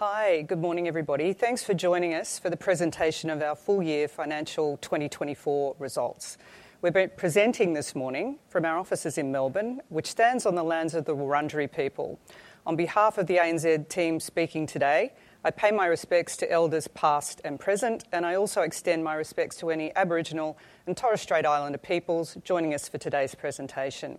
Hi, good morning, everybody. Thanks for joining us for the presentation of our full year financial 2024 results. We've been presenting this morning from our offices in Melbourne, which stands on the lands of the Wurundjeri people. On behalf of the ANZ team speaking today, I pay my respects to elders past and present, and I also extend my respects to any Aboriginal and Torres Strait Islander peoples joining us for today's presentation.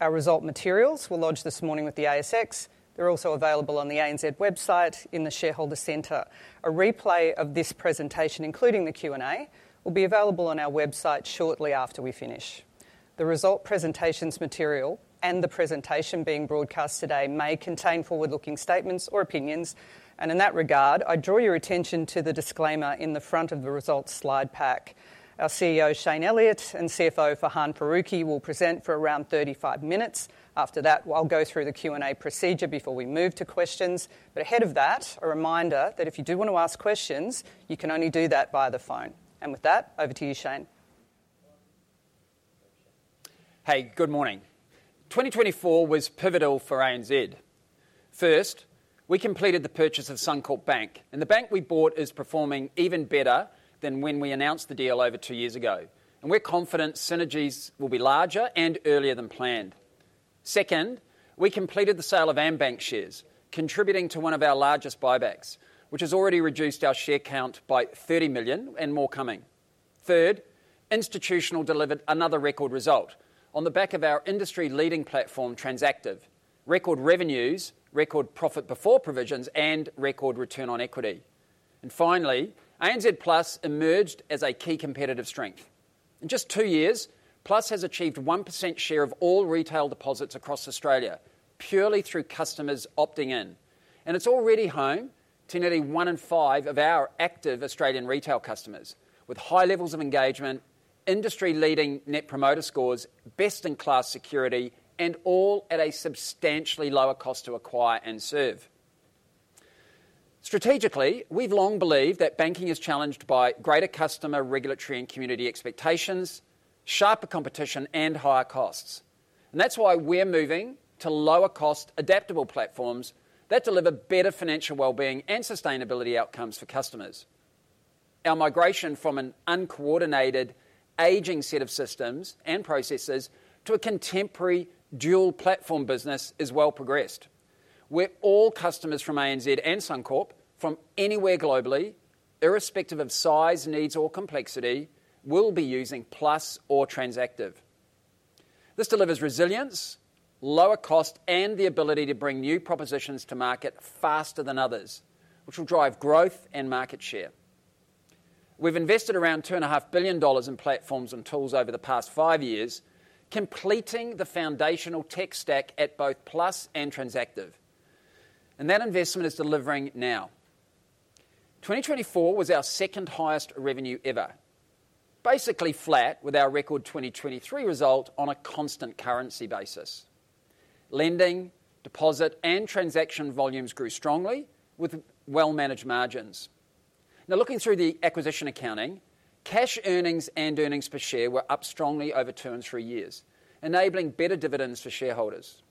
Our result materials were lodged this morning with the ASX. They're also available on the ANZ website in the shareholder center. A replay of this presentation, including the Q&A, will be available on our website shortly after we finish. The result presentation's material and the presentation being broadcast today may contain forward-looking statements or opinions, and in that regard I draw your attention to the disclaimer in the front of the results slide pack. Our CEO Shayne Elliott and CFO Farhan Farooqi will present for around 35 minutes. After that I'll go through the Q and A procedure before we move to questions, but ahead of that a reminder that if you do want to ask questions, you can only do that via the phone, and with that over to you Shayne. Hey, good morning. 2024 was pivotal for ANZ. First, we completed the purchase of Suncorp Bank and the bank we bought is performing even better than when we announced the deal over two years ago and we're confident synergies will be larger and earlier than planned. Second, we completed the sale of AmBank shares, contributing to one of our largest buybacks which has already reduced our share count by 30 million and more. Coming third, Institutional delivered another record result on the back of our industry leading platform. Transactive record revenues, record profit before provisions, and record return on equity. ANZ Plus has emerged as a key competitive strength. In just two years, Plus has achieved 1% share of all retail deposits across Australia purely through customers opting in, and it's already home to nearly one in five of our active Australian retail customers with high levels of engagement, industry-leading net promoter scores, best-in-class security, and all at a substantially lower cost to acquire and serve. Strategically, we've long believed that banking is challenged by greater customer, regulatory, and community expectations, sharper competition, and higher costs. That's why we're moving to lower-cost, adaptable platforms that deliver better financial wellbeing and sustainability outcomes for customers. Our migration from an uncoordinated aging set of systems and processes to a contemporary dual platform business is well progressed, where all customers from ANZ and Suncorp from anywhere globally, irrespective of size, needs or complexity will be using Plus or Transactive. This delivers resilience, lower cost and the ability to bring new propositions to market faster than others which will drive growth and market share. We've invested around 2.5 billion dollars in platforms and tools over the past five years, completing the foundational tech stack at both Plus and Transactive, and that investment is delivering now. 2024 was our second highest revenue ever, basically flat with our record 2023 result on a constant currency basis. Lending, deposit and transaction volumes grew strongly with well managed margins. Now looking through the acquisition accounting, cash earnings and earnings per share were up strongly over two and three years, enabling better dividends for shareholders.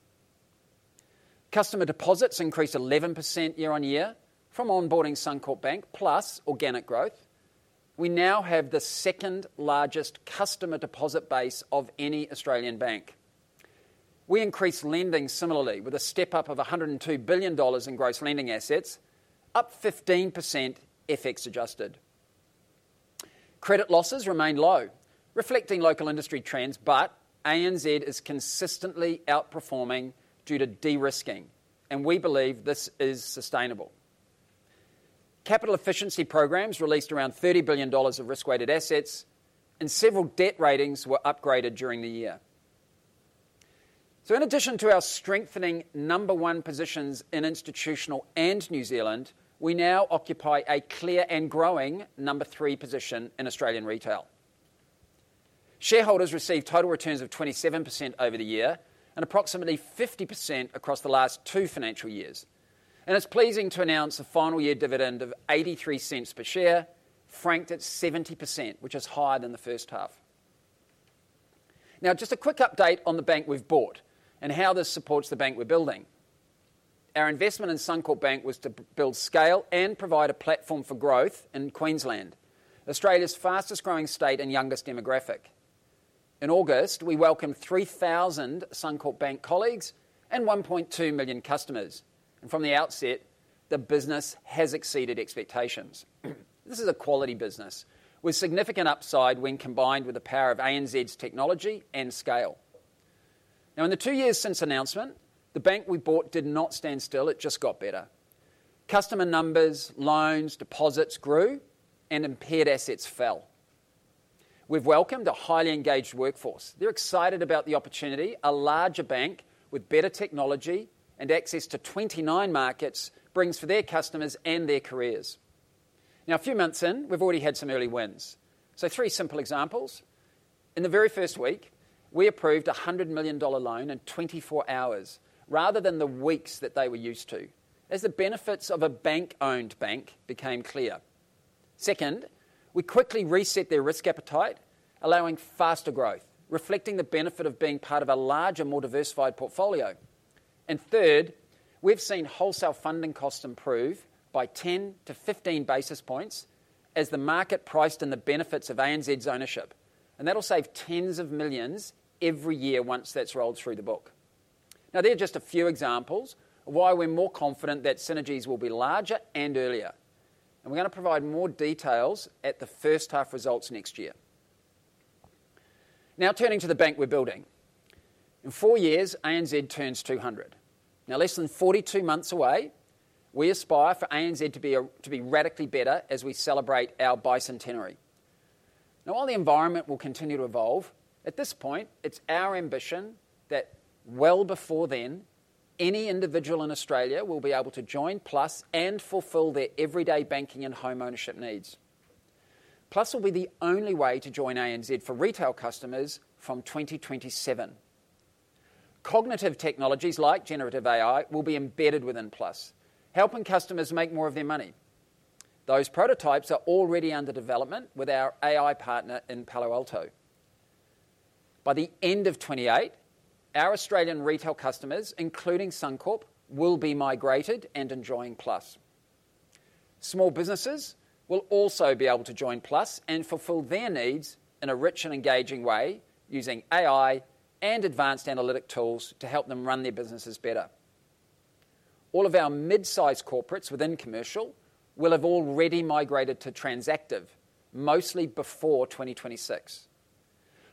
Customer deposits increased 11% year on year from onboarding Suncorp Bank plus organic growth, we now have the second largest customer deposit base of any Australian bank. We increased lending similarly with a step up of 102 billion dollars in gross lending assets up 15%. FX adjusted credit losses remained low reflecting local industry trends, but ANZ is consistently outperforming due to de-risking and we believe this is sustainable. Capital efficiency programs released around 30 billion dollars of risk-weighted assets and several debt ratings were upgraded during the year. So in addition to our strengthening number one positions in institutional and New Zealand, we now occupy a clear and growing number three position in Australian retail. Shareholders received total returns of 27% over the year and approximately 50% across the last two financial years, and it's pleasing to announce a final year dividend of 0.83 per share franked at 70%, which is higher than the first half. Now, just a quick update on the bank we've bought and how this supports the bank we're building. Our investment in Suncorp Bank was to build, scale and provide a platform for growth in Queensland, Australia's fastest growing state and youngest demographic. In August, we welcomed 3,000 Suncorp Bank colleagues and 1.2 million customers. From the outset, the business has exceeded expectations. This is a quality business with significant upside when combined with the power of ANZ's technology and scale. Now, in the two years since announcement, the bank we bought did not stand still. It just got better customer numbers. Loans deposits grew and impaired assets fell. We've welcomed a highly engaged workforce. They're excited about the opportunity a larger bank with better technology and access to 29 markets brings for their customers and their careers. Now, a few months in, we've already had some early wins. So three simple examples. In the very first week, we approved a 100 million dollar loan in 24 hours rather than the weeks that they were used to as the benefits of a bank owned bank became clear. Second, we quickly reset their risk appetite, allowing faster growth, reflecting the benefit of being part of a larger, more diversified portfolio. And third, we've seen wholesale funding costs improve by 10-15 basis points as the market priced in the benefits of ANZ's ownership and that'll save tens of millions every year once that's rolled through the book. Now, they're just a few examples of why we're more confident that synergies will be larger and earlier and we're going to provide more details at the first half results next year. Now turning to the bank we're building in four years, ANZ turns 200. Now less than 42 months away. We aspire for ANZ to be radically better as we celebrate our Bicentenary. Now, while the environment will continue to evolve at this point, it's our ambition that well before then, any individual in Australia will be able to join Plus and fulfill their everyday banking and home ownership needs. Plus will be the only way to join ANZ for retail customers. From 2027, cognitive technologies like Generative AI will be embedded within Plus helping customers make more of their money. Those prototypes are already under development with our AI partner in Palo Alto. By the end of 2028, our Australian retail customers, including Suncorp, will be migrated and enjoying Plus. Small businesses will also be able to join Plus and fulfill their needs in a rich and engaging way, using AI and advanced analytic tools to help them run their businesses better. All of our mid-sized corporates within commercial will have already migrated to Transactive, mostly before 2026.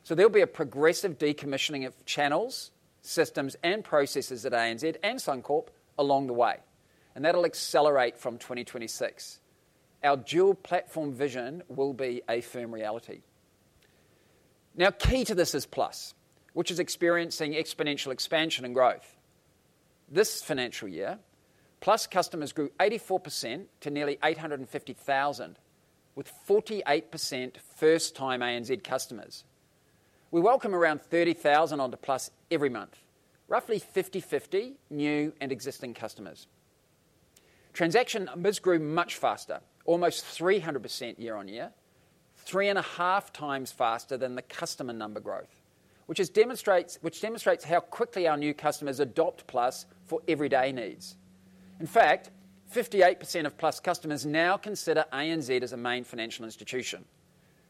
So there'll be a progressive decommissioning of channels, systems and processes at ANZ and Suncorp along the way, and that'll accelerate from 2026. Our dual platform vision will be a firm reality now. Key to this is Plus, which is experiencing exponential expansion and growth. This financial year, Plus customers grew 84% to nearly 850,000 with 48% first time ANZ customers. We welcome around 30,000 onto Plus every month, roughly 50-50 new and existing customers. Transaction numbers grew much faster, almost 300% year on year, 3.5 times faster than the customer number growth, which demonstrates how quickly our new customers adopt Plus for everyday needs. In fact, 58% of Plus customers now consider ANZ as a main financial institution,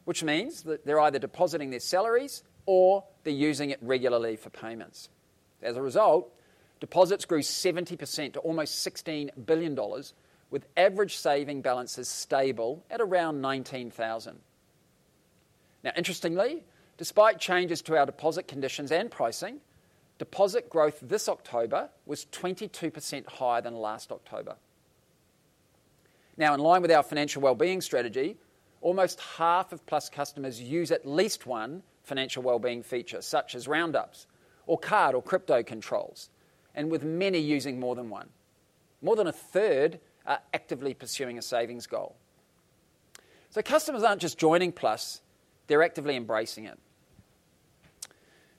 which means that they're either depositing their salaries or they're using it regularly for payments. As a result, deposits grew 70% to almost 16 billion dollars with average saving balances stable at around 19,000. Interestingly, despite changes to our deposit conditions and pricing, deposit growth this October was 22% higher than last October. Now, in line with our financial wellbeing strategy, almost half of Plus customers use at least one financial wellbeing feature such as roundups or card or crypto controls, and with many using more than one, more than a third are actively pursuing a savings goal. So customers aren't just joining Plus, they're actively embracing it.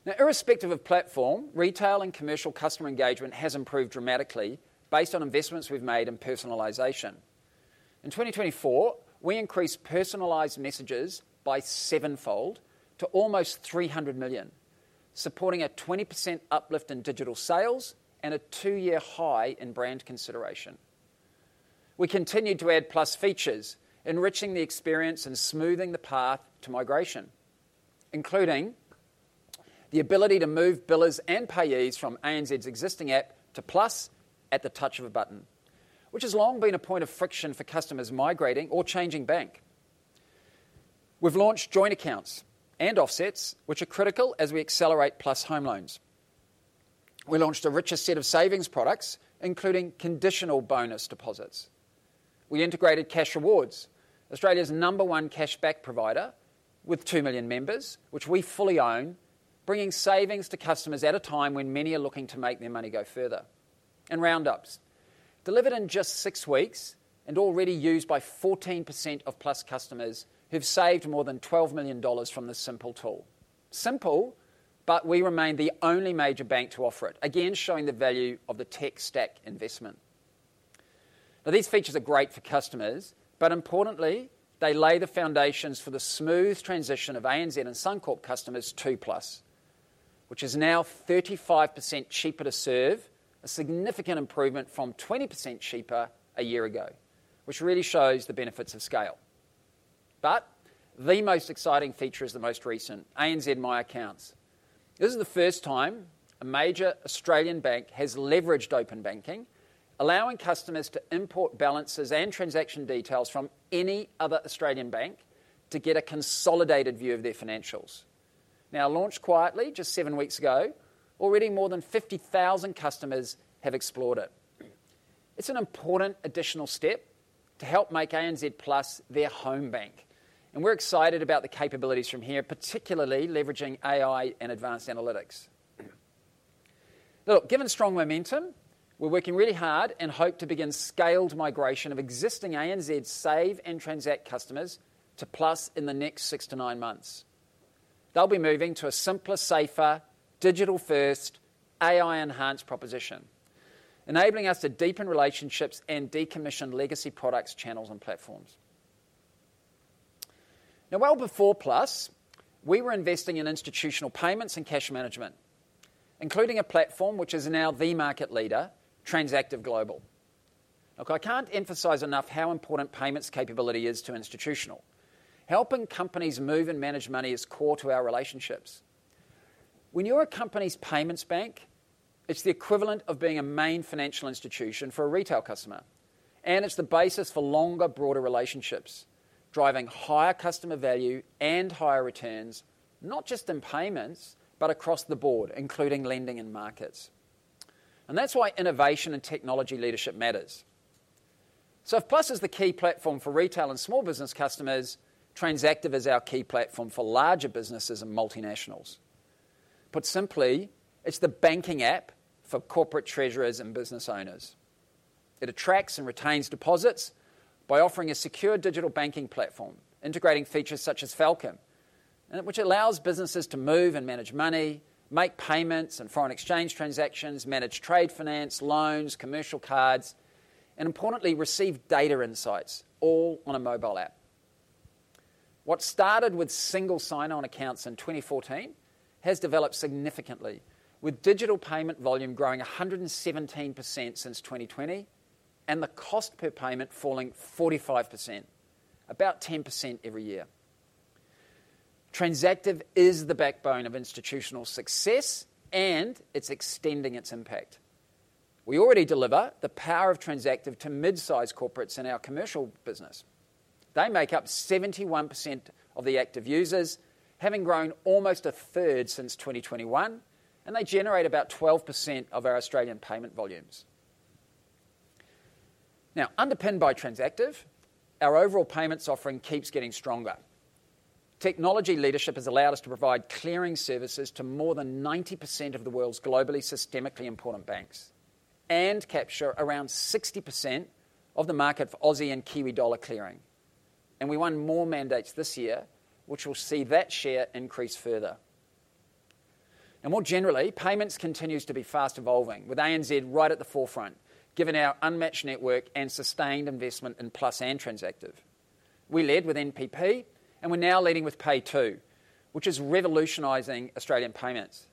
Now, irrespective of platform, retail and commercial, customer engagement has improved dramatically based on investments we've made in personalization. In 2024, we increased personalized messages by sevenfold to almost 300 million, supporting a 20% uplift in digital sales and a two-year high in brand consideration. We continued to add Plus features, enriching the experience and smoothing the path to migration, including the ability to move billers and payees from ANZ's existing app to Plus at the touch of a button, which has long been a point of friction for customers migrating or changing bank. We've launched joint accounts and offsets, which are critical as we accelerate Plus home loans. We launched a richer set of savings products including conditional bonus deposits. We integrated Cashrewards, Australia's number one cashback provider with 2 million members, which we fully own, bringing savings to customers at a time when many are looking to make their money go further. Roundups delivered in just six weeks and already used by 14% of plus customers who've saved more than 12 million dollars from this simple tool. Simple, but we remain the only major bank to offer it again showing the value of the tech stack investment. Now these features are great for customers, but importantly they lay the foundations for the smooth transition of ANZ and Suncorp customers to plus, which is now 35% cheaper to serve, a significant improvement from 20% cheaper a year ago, which really shows the benefits of scale. The most exciting feature is the most recent ANZ My Accounts. This is the first time a major Australian bank has leveraged open banking, allowing customers to import balances and transaction details from any other Australian bank to get a consolidated view of their financials. Now launched quietly just seven weeks ago, already more than 50,000 customers have explored it. It's an important additional step to help make ANZ their home bank and we're excited about the capabilities from here, particularly leveraging AI and advanced analytics. Look, given strong momentum, we're working really hard and hope to begin scaled migration of existing ANZ Save and Transact customers to ANZ Plus in the next six to nine months. They'll be moving to a simpler, safer, digital-first AI-enhanced proposition, enabling us to deepen relationships and decommission legacy products, channels and platforms. Now, well before Plus we were investing in institutional payments and cash management, including a platform which is now the market leader, Transactive Global. Look, I can't emphasize enough how important payments capability is to Institutional Banking. Helping companies move and manage money is core to our relationships. When you're a company's payments bank, it's the equivalent of being a main financial institution for a retail customer. And it's the basis for longer, broader relationships driving higher customer value and higher returns, not just in payments, but across the board, including lending and markets. And that's why innovation and technology leadership matters. So if Plus is the key platform for retail and small business customers, Transactive is our key platform for larger businesses and multinationals. Put simply, it's the banking app for corporate treasurers and business owners. It attracts and retains deposits by offering a secure digital banking platform integrating features such as Falcon, which allows businesses to move and manage money, make payments and foreign exchange transactions, manage trade, finance loans, commercial cards and importantly, receive data insights, all on a mobile app. What started with single sign-on accounts in 2014 has developed significantly, with digital payment volume growing 117% since 2020 and the cost per payment falling 45%, about 10% every year. Transactive is the backbone of institutional success and it's extending its impact. We already deliver the power of Transactive to mid-sized corporates in our commercial business. They make up 71% of the active users, having grown almost a third since 2021, and they generate about 12% of our Australian payment volumes, now underpinned by Transactive. Our overall payments offering keeps getting stronger. Technology leadership has allowed us to provide clearing services to more than 90% of the world's globally systemically important banks and capture around 60% of the market for Aussie and Kiwi dollar clearing. And we won more mandates this year which will see that share increase further and more generally. Payments continues to be fast evolving with ANZ right at the forefront given our unmatched network and sustained investment in Plus and Transactive. We led with NPP and we're now leading with PayTo, which is revolutionizing Australian payments.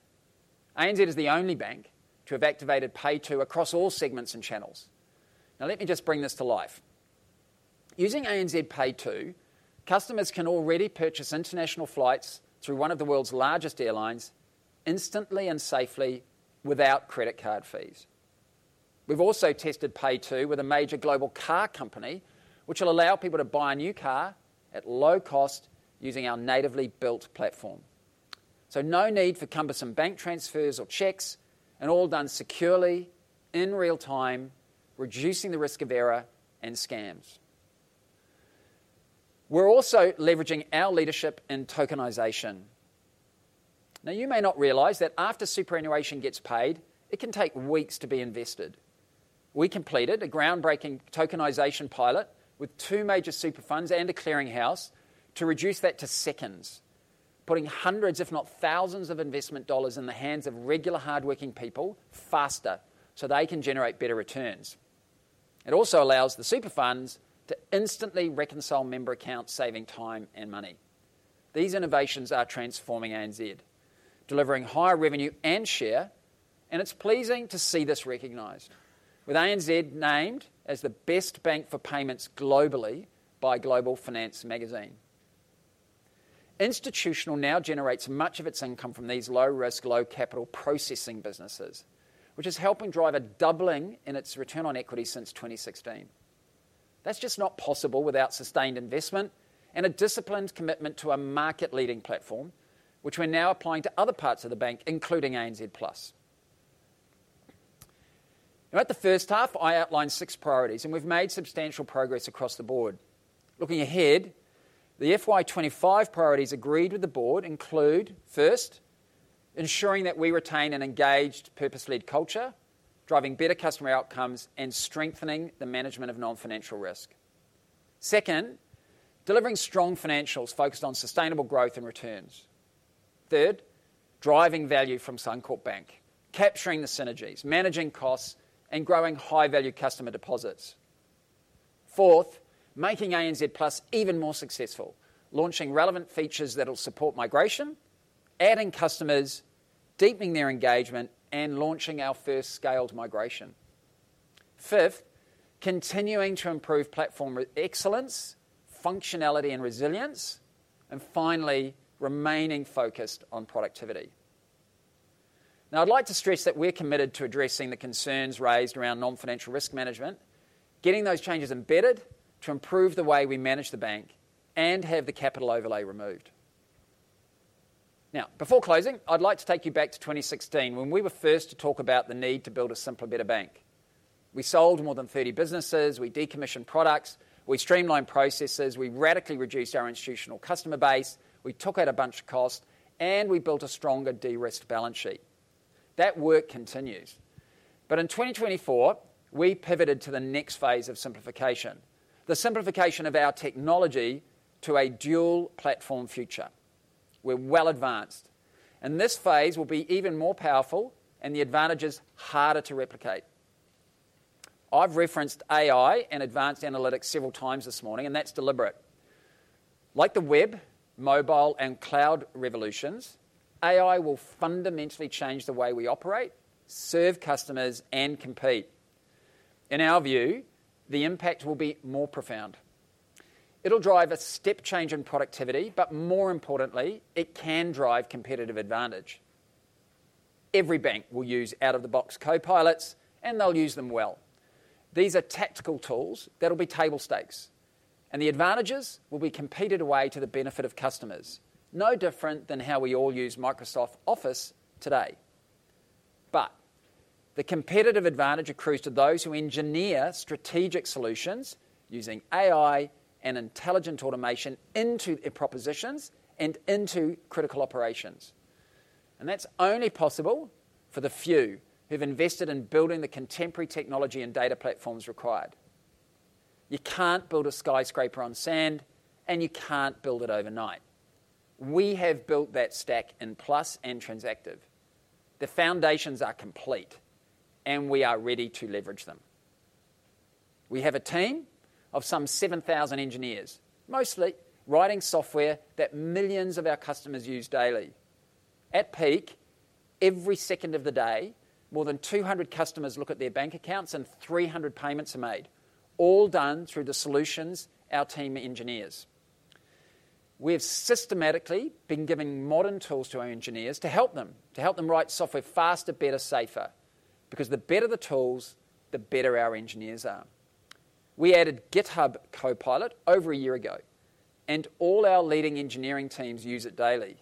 ANZ is the only bank to have activated PayTo across all segments and channels. Now, let me just bring this to life. Using ANZ PayTo, customers can already purchase international flights through one of the world's largest airlines, instantly and safely without credit card fees. We've also tested PayTo with a major global car company which will allow people to buy a new car at low cost using our natively built platform, so no need for cumbersome bank transfers or checks and all done securely in real time reducing the risk of error and scams. We're also leveraging our leadership in tokenization. Now you may not realize that after superannuation gets paid it can take weeks to be invested. We completed a groundbreaking tokenization pilot with two major super funds and a clearinghouse to reduce that to seconds, putting hundreds if not thousands of investment dollars in the hands of regular hard-working people faster so they can generate better returns. It also allows the super funds to instantly reconcile member accounts, saving time and money. These innovations are transforming ANZ, delivering higher revenue and share and it's pleasing to see this recognized with ANZ named as the best bank for payments globally by Global Finance magazine. Institutional now generates much of its income from these low-risk low-capital processing businesses which is helping drive a doubling in its return on equity since 2016. That's just not possible without sustained investment and a disciplined commitment to a market-leading platform which we're now applying to other parts of the bank including ANZ. At the first half I outlined six priorities and we've made substantial progress across the board. Looking ahead, the FY25 priorities agreed with the board include first, ensuring that we retain an engaged purpose-led culture, driving better customer outcomes and strengthening the management of non-financial risk. Second, delivering strong financials focused on sustainable growth and returns. Third, driving value from Suncorp Bank, capturing the synergies, managing costs and growing high value customer deposits. Fourth, making ANZ even more successful, launching relevant features that will support migration, adding customers, deepening their engagement and launching our first scaled migration. Fifth, continuing to improve platform excellence, functionality and resilience and finally remaining focused on productivity. Now I'd like to stress that we're committed to addressing the concerns raised around non-financial risk management, getting those changes embedded to improve the way we manage the bank and have the capital overlay removed. Now, before closing, I'd like to take you back to 2016 when we were first to talk about the need to build a simpler, better bank. We sold more than 30 businesses, we decommissioned products, we streamlined processes, we radically reduced our institutional customer base, we took out a bunch of cost and we built a stronger de-risked balance sheet. That work continues, but in 2024 we pivoted to the next phase of simplification, the simplification of our technology to a dual platform future. We're well advanced and this phase will be even more powerful and the advantages harder to replicate. I've referenced AI and advanced analytics several times this morning, and that's deliberate. Like the web, mobile and cloud revolutions, AI will fundamentally change the way we operate, serve customers and compete. In our view, the impact will be more profound. It'll drive a step change in productivity, but more importantly, it can drive competitive advantage. Every bank will use out-of-the-box copilots and they'll use them well. These are tactical tools that will be table stakes and the advantages will be competed away to the benefit of customers. No different than how we all use Microsoft Office today. But the competitive advantage accrues to those who engineer strategic solutions using AI and intelligent automation into their propositions and into critical operations. And that's only possible for the few who've invested in building the contemporary technology and data platforms required. You can't build a skyscraper on sand and you can't build it overnight. We have built that stack in Plus and Transactive. The foundations are complete and we are ready to leverage them. We have a team of some 7,000 engineers, mostly writing software that millions of our customers use daily. At peak every second of the day, more than 200 customers look at their bank accounts and 300 payments are made, all done through the solutions and our team engineers. We have systematically been giving modern tools to our engineers to help them, to help them write software faster, better, safer. Because the better the tools, the better our engineers are. We added GitHub Copilot over a year ago and all our leading engineering teams use it daily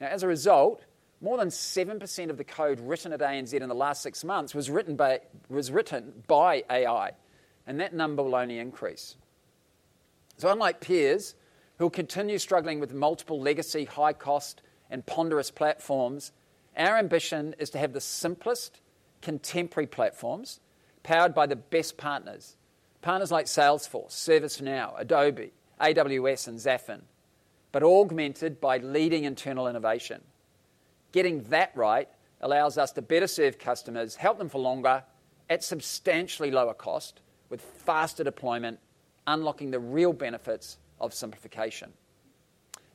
now. As a result, more than 7% of the code written at ANZ in the last six months was written by AI and that number will only increase, so unlike peers who will continue struggling with multiple legacy, high cost and ponderous platforms, our ambition is to have the simplest contemporary platforms powered by the best partners. Partners like Salesforce, ServiceNow, Adobe, AWS and Zafin, but augmented by leading internal innovation. Getting that right allows us to better serve customers, help them for longer at substantially lower cost with faster deployment, unlocking the real benefits of simplification.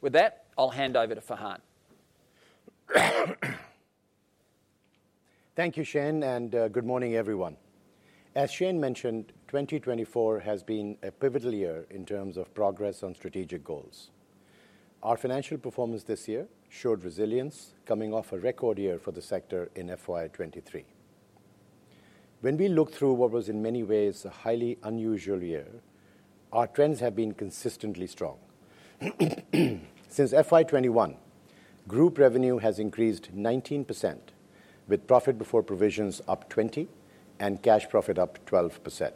With that, I'll hand over to Farhan. Thank you, Shane. And good morning, everyone. As Shane mentioned, 2024 has been a pivotal year in terms of progress on strategic goals. Our financial performance this year showed resilience coming off a record year for the sector. In FY23, when we look through what was in many ways a highly unusual year, our trends have been consistently strong. Since FY21, group revenue has increased 19% with profit before provisions up 20% and cash profit up 12%.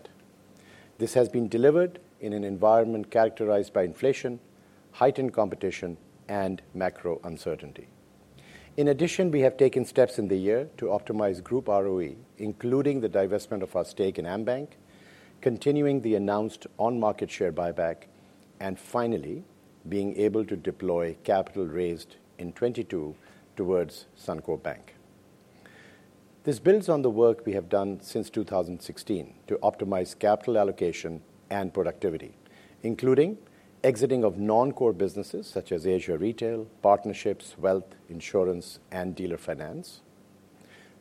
This has been delivered in an environment characterized by inflation, heightened competition and macro uncertainty. In addition, we have taken steps in the year to optimize group ROE, including the divestment of our stake in AmBank, continuing the announced on-market share buyback and finally being able to deploy capital raised in 2022 towards Suncorp Bank. This builds on the work we have done since 2016 to optimize capital allocation and productivity, including exiting of non-core businesses such as Asia retail partnerships, wealth insurance, and dealer finance,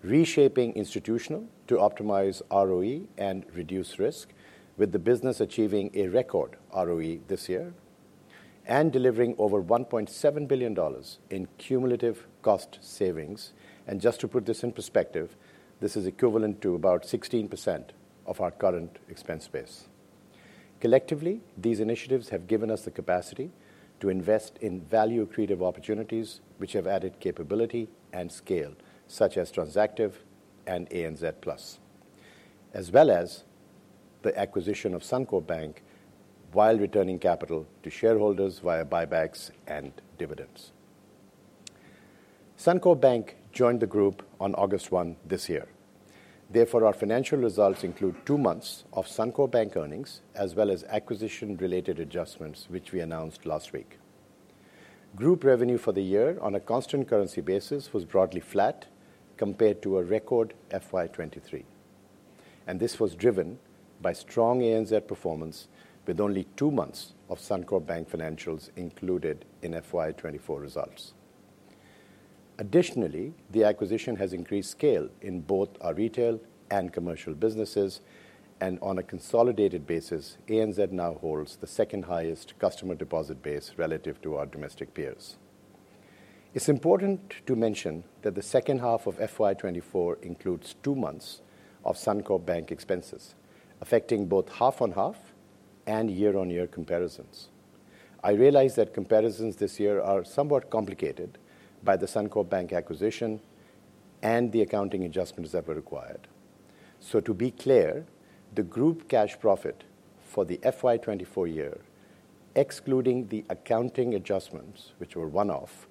reshaping institutional to optimize ROE and reduce risk, with the business achieving a record ROE this year and delivering over 1.7 billion dollars in cumulative cost savings, and just to put this in perspective, this is equivalent to about 16% of our current expense base. Collectively, these initiatives have given us the capacity to invest in value-accretive opportunities which have added capability and scale such as Transactive and ANZ Plus as well as the acquisition of Suncorp Bank while returning capital to shareholders via buybacks and dividends. Suncorp Bank joined the group on August 1 this year. Therefore, our financial results include two months of Suncorp Bank earnings as well as acquisition related adjustments which we announced last week. Group revenue for the year on a constant currency basis was broadly flat compared to a record FY23 and this was driven by strong ANZ performance with only two months of Suncorp Bank financials included in FY24 results. Additionally, the acquisition has increased scale in both our retail and commercial businesses and on a consolidated basis, ANZ now holds the second highest customer deposit base relative to our domestic peers. It's important to mention that the second half of FY24 includes two months of Suncorp Bank expenses affecting both half on half year on year comparisons. I realize that comparisons this year are somewhat complicated by the Suncorp Bank acquisition and the accounting adjustments that were required. To be clear, the group cash profit for the FY24 year, excluding the accounting adjustments which were one off,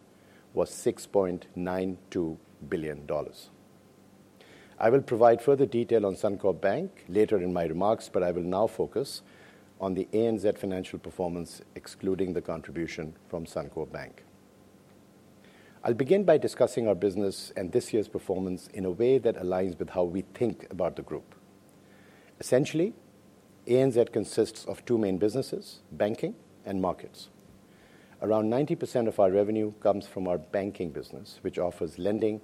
was 6.92 billion dollars. I will provide further detail on Suncorp Bank later in my remarks, but I will now focus on the ANZ financial performance excluding the contribution from Suncorp Bank. I'll begin by discussing our business and this year's performance in a way that aligns with how we think about the group. Essentially, ANZ consists of two main banking and markets. Around 90% of our revenue comes from our banking business which offers lending,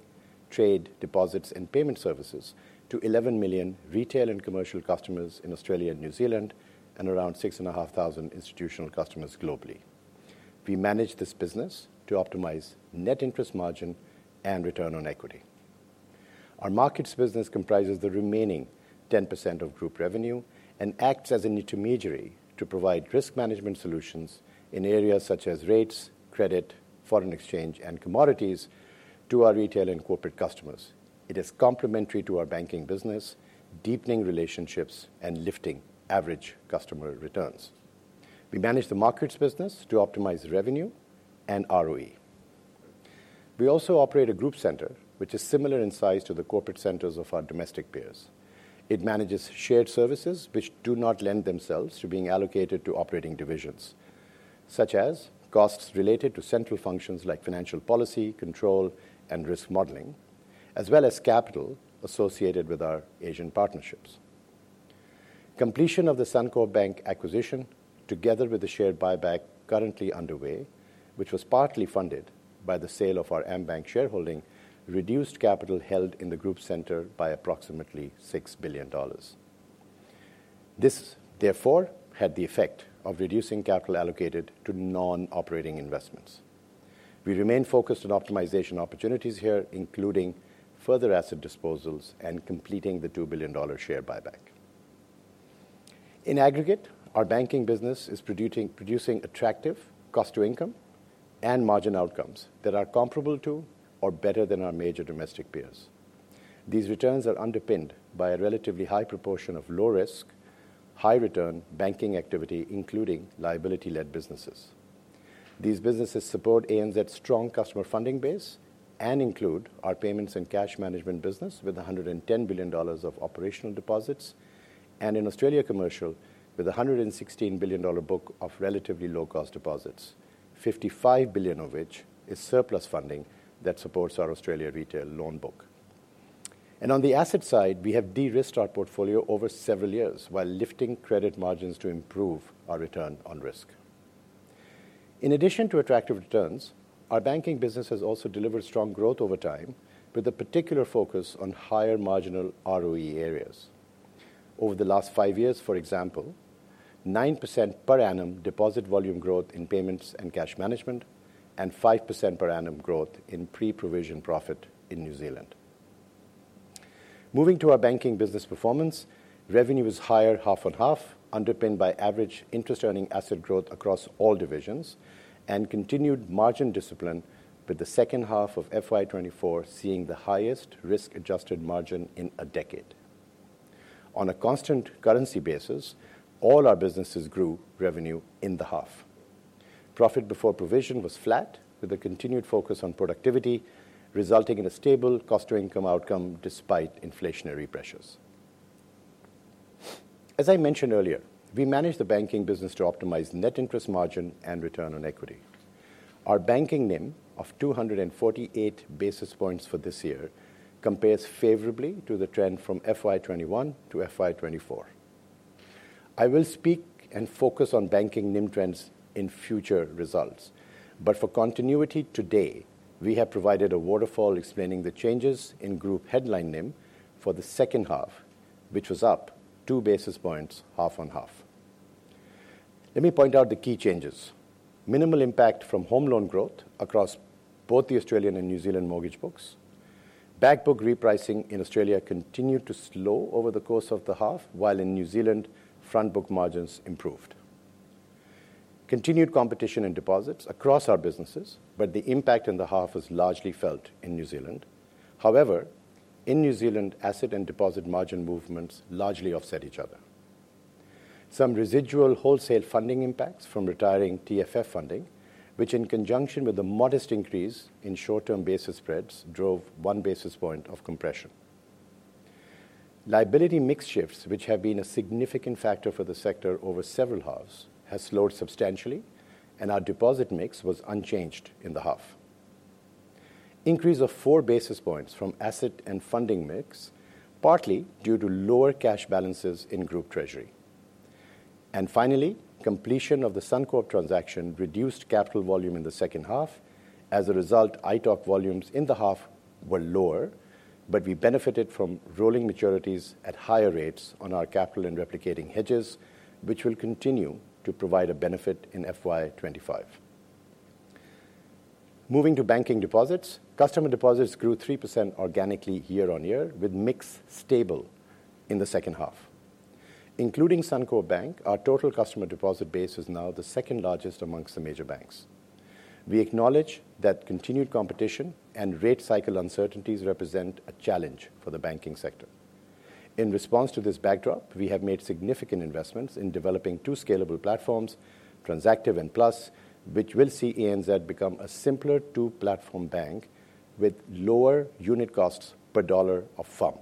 trade, deposits and payment services to 11 million retail and commercial customers in Australia and New Zealand and around 6,500 institutional customers globally. We manage this business to optimize net interest margin and return on equity. Our markets business comprises the remaining 10% of group revenue and acts as an intermediary to provide risk management solutions in areas such as rates, credit, foreign exchange and commodities to our retail and corporate customers. It is complementary to our banking business, deepening relationships and lifting average customer returns. We manage the markets business to optimize revenue and ROE. We also operate a group center which is similar in size to the corporate centers of our domestic peers. It manages shared services which do not lend themselves to being allocated to operating divisions such as costs related to central functions like financial policy control and risk modeling as well as capital associated with our Asian partnerships. Completion of the Suncorp Bank acquisition together with the share buyback currently underway which was partly funded by the sale of our AmBank shareholding, reduced capital held in the group center by approximately 6 billion dollars. This therefore had the effect of reducing capital allocated to non operating investments. We remain focused on optimization opportunities here including further asset disposals and completing the 2 billion dollar share buyback. In aggregate, our banking business is producing attractive cost to income and margin outcomes that are comparable to or better than our major domestic peers. These returns are underpinned by a relatively high proportion of low risk, high return banking activity including liability led businesses. These businesses support ANZ's strong customer funding base and include our payments and cash management business with 110 billion dollars of operational deposits and in Australia commercial with 116 billion dollar book of relatively low cost deposits, 55 billion of which is surplus funding that supports our Australia retail loan book and on the asset side we have de-risked our portfolio over several years while lifting credit margins to improve our return on risk. In addition to attractive returns, our banking business has also delivered strong growth over time with a particular focus on higher marginal ROE areas over the last five years for example 9% per annum deposit volume growth in payments and cash management and 5% per annum growth in pre-provision profit in New Zealand. Moving to our banking business, performance revenue was higher half on half underpinned by average interest earning asset growth across all divisions and continued margin discipline with the second half of FY24 seeing the highest risk adjusted margin in a decade on a constant currency basis. All our businesses grew revenue in the half. Profit before provision was flat with a continued focus on productivity resulting in a stable cost to income outcome despite inflationary pressures. As I mentioned earlier, we manage the banking business to optimize net interest, margin and return on equity. Our banking NIM of 248 basis points for this year compares favorably to the trend from FY21 to FY24. I will speak and focus on banking NIM trends in future results, but for continuity today we have provided a waterfall explaining the changes in group headline NIM for the second half which was up 2 basis points half on half. Let me point out the key changes. Minimal impact from home loan growth across both the Australian and New Zealand mortgage books. Back book repricing in Australia continued to slow over the course of the half while in New Zealand front book margins improved. Continued competition in deposits across our businesses, but the impact in the half is largely felt in New Zealand. However, in New Zealand asset and deposit margin movements largely offset each other. Some residual wholesale funding impacts from retiring TFF funding which in conjunction with a modest increase in short term basis spreads drove one basis point of compression. Liability mix shifts which have been a significant factor for the sector over several halves has slowed substantially and our deposit mix was unchanged in the half. Increase of four basis points from asset and funding mix partly due to lower cash balances in group treasury and finally completion of the Suncorp transaction reduced capital volume in the second half. As a result, ITOC volumes in the half were lower but we benefited from rolling maturities at higher rates on our capital and replicating hedges which will continue to provide a benefit in FY25. Moving to banking deposits customer deposits grew 3% organically year on year with mix stable in the second half. Including Suncorp Bank, our total customer deposit base is now the second largest amongst the major banks. We acknowledge that continued competition and rate cycle uncertainties represent a challenge for the banking sector. In response to this backdrop, we have made significant investments in developing two scalable platforms, Transactive and Plus, which will see ANZ become a simpler two platform bank with lower unit costs per dollar of FUM.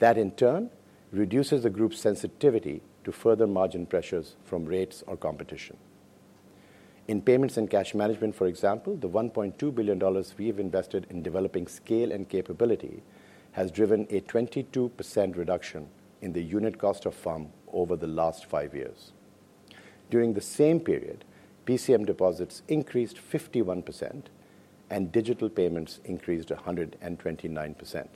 That in turn reduces the group's sensitivity to further margin pressures from rates or competition in payments and cash management. For example, the 1.2 billion dollars we have invested in developing scale and capability has driven a 22% reduction in the unit cost of FUM over the last five years. During the same period PCM deposits increased 51% and digital payments increased 129%.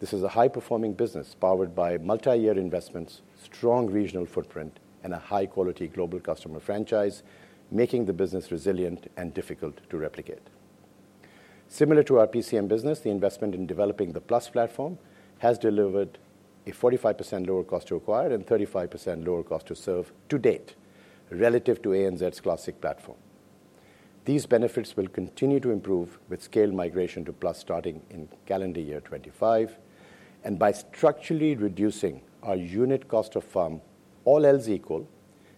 This is a high performing business powered by multi-year investments, strong regional footprint and a high quality global customer franchise, making the business resilient and difficult to replicate. Similar to our PCM business, the investment in developing the Plus platform has delivered a 45% lower cost to acquire and 35% lower cost to serve to date relative to ANZ's Classic platform. These benefits will continue to improve with scale migration to Plus starting in calendar year 2025 and by structurally reducing our unit cost of funds. All else equal,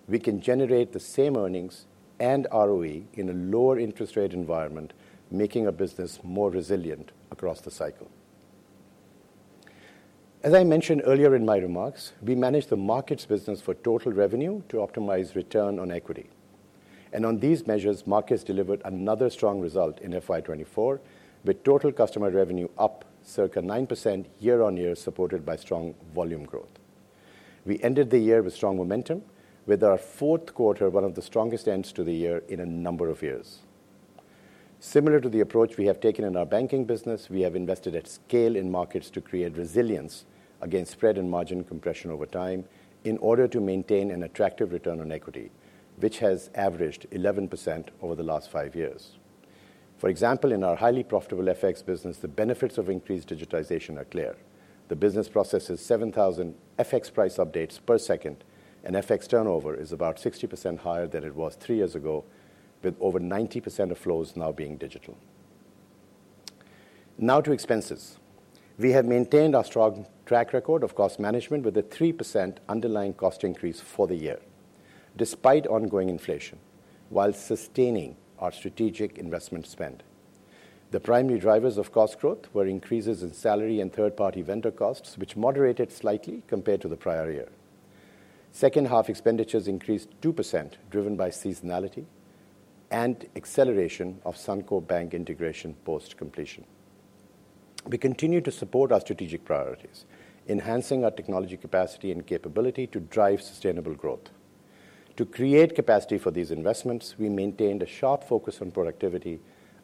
we can generate the same earnings and ROE in a lower interest rate environment, making our business more resilient across the cycle. As I mentioned earlier in my remarks, we managed the markets business for total revenue to optimize return on equity and on these measures markets delivered another strong result in FY24 with total customer revenue up circa 9% year on year supported by strong volume growth. We ended the year with strong momentum with our fourth quarter one of the strongest ends to the year in a number of years. Similar to the approach we have taken in our banking business, we have invested at scale in markets to create resilience against spread and margin compression over time in order to maintain an attractive return on equity which has averaged 11% over the last five years. For example, in our highly profitable FX business the benefits of increased digitization are clear. The business processes 7,000 FX price updates per second and FX turnover is about 60% higher than it was three years ago with over 90% of flows now being digital. Now to expenses. We have maintained our strong track record of cost management with a 3% underlying cost increase for the year despite ongoing inflation while sustaining our strategic investment spend. The primary drivers of cost growth were increases in salary and third party vendor costs which moderated slightly compared to the prior year. Second half expenditures increased 2% driven by seasonality and acceleration of Suncorp Bank integration. Post completion we continue to support our strategic priorities, enhancing our technology capacity and capability to drive sustainable growth. To create capacity for these investments, we maintained a sharp focus on productivity,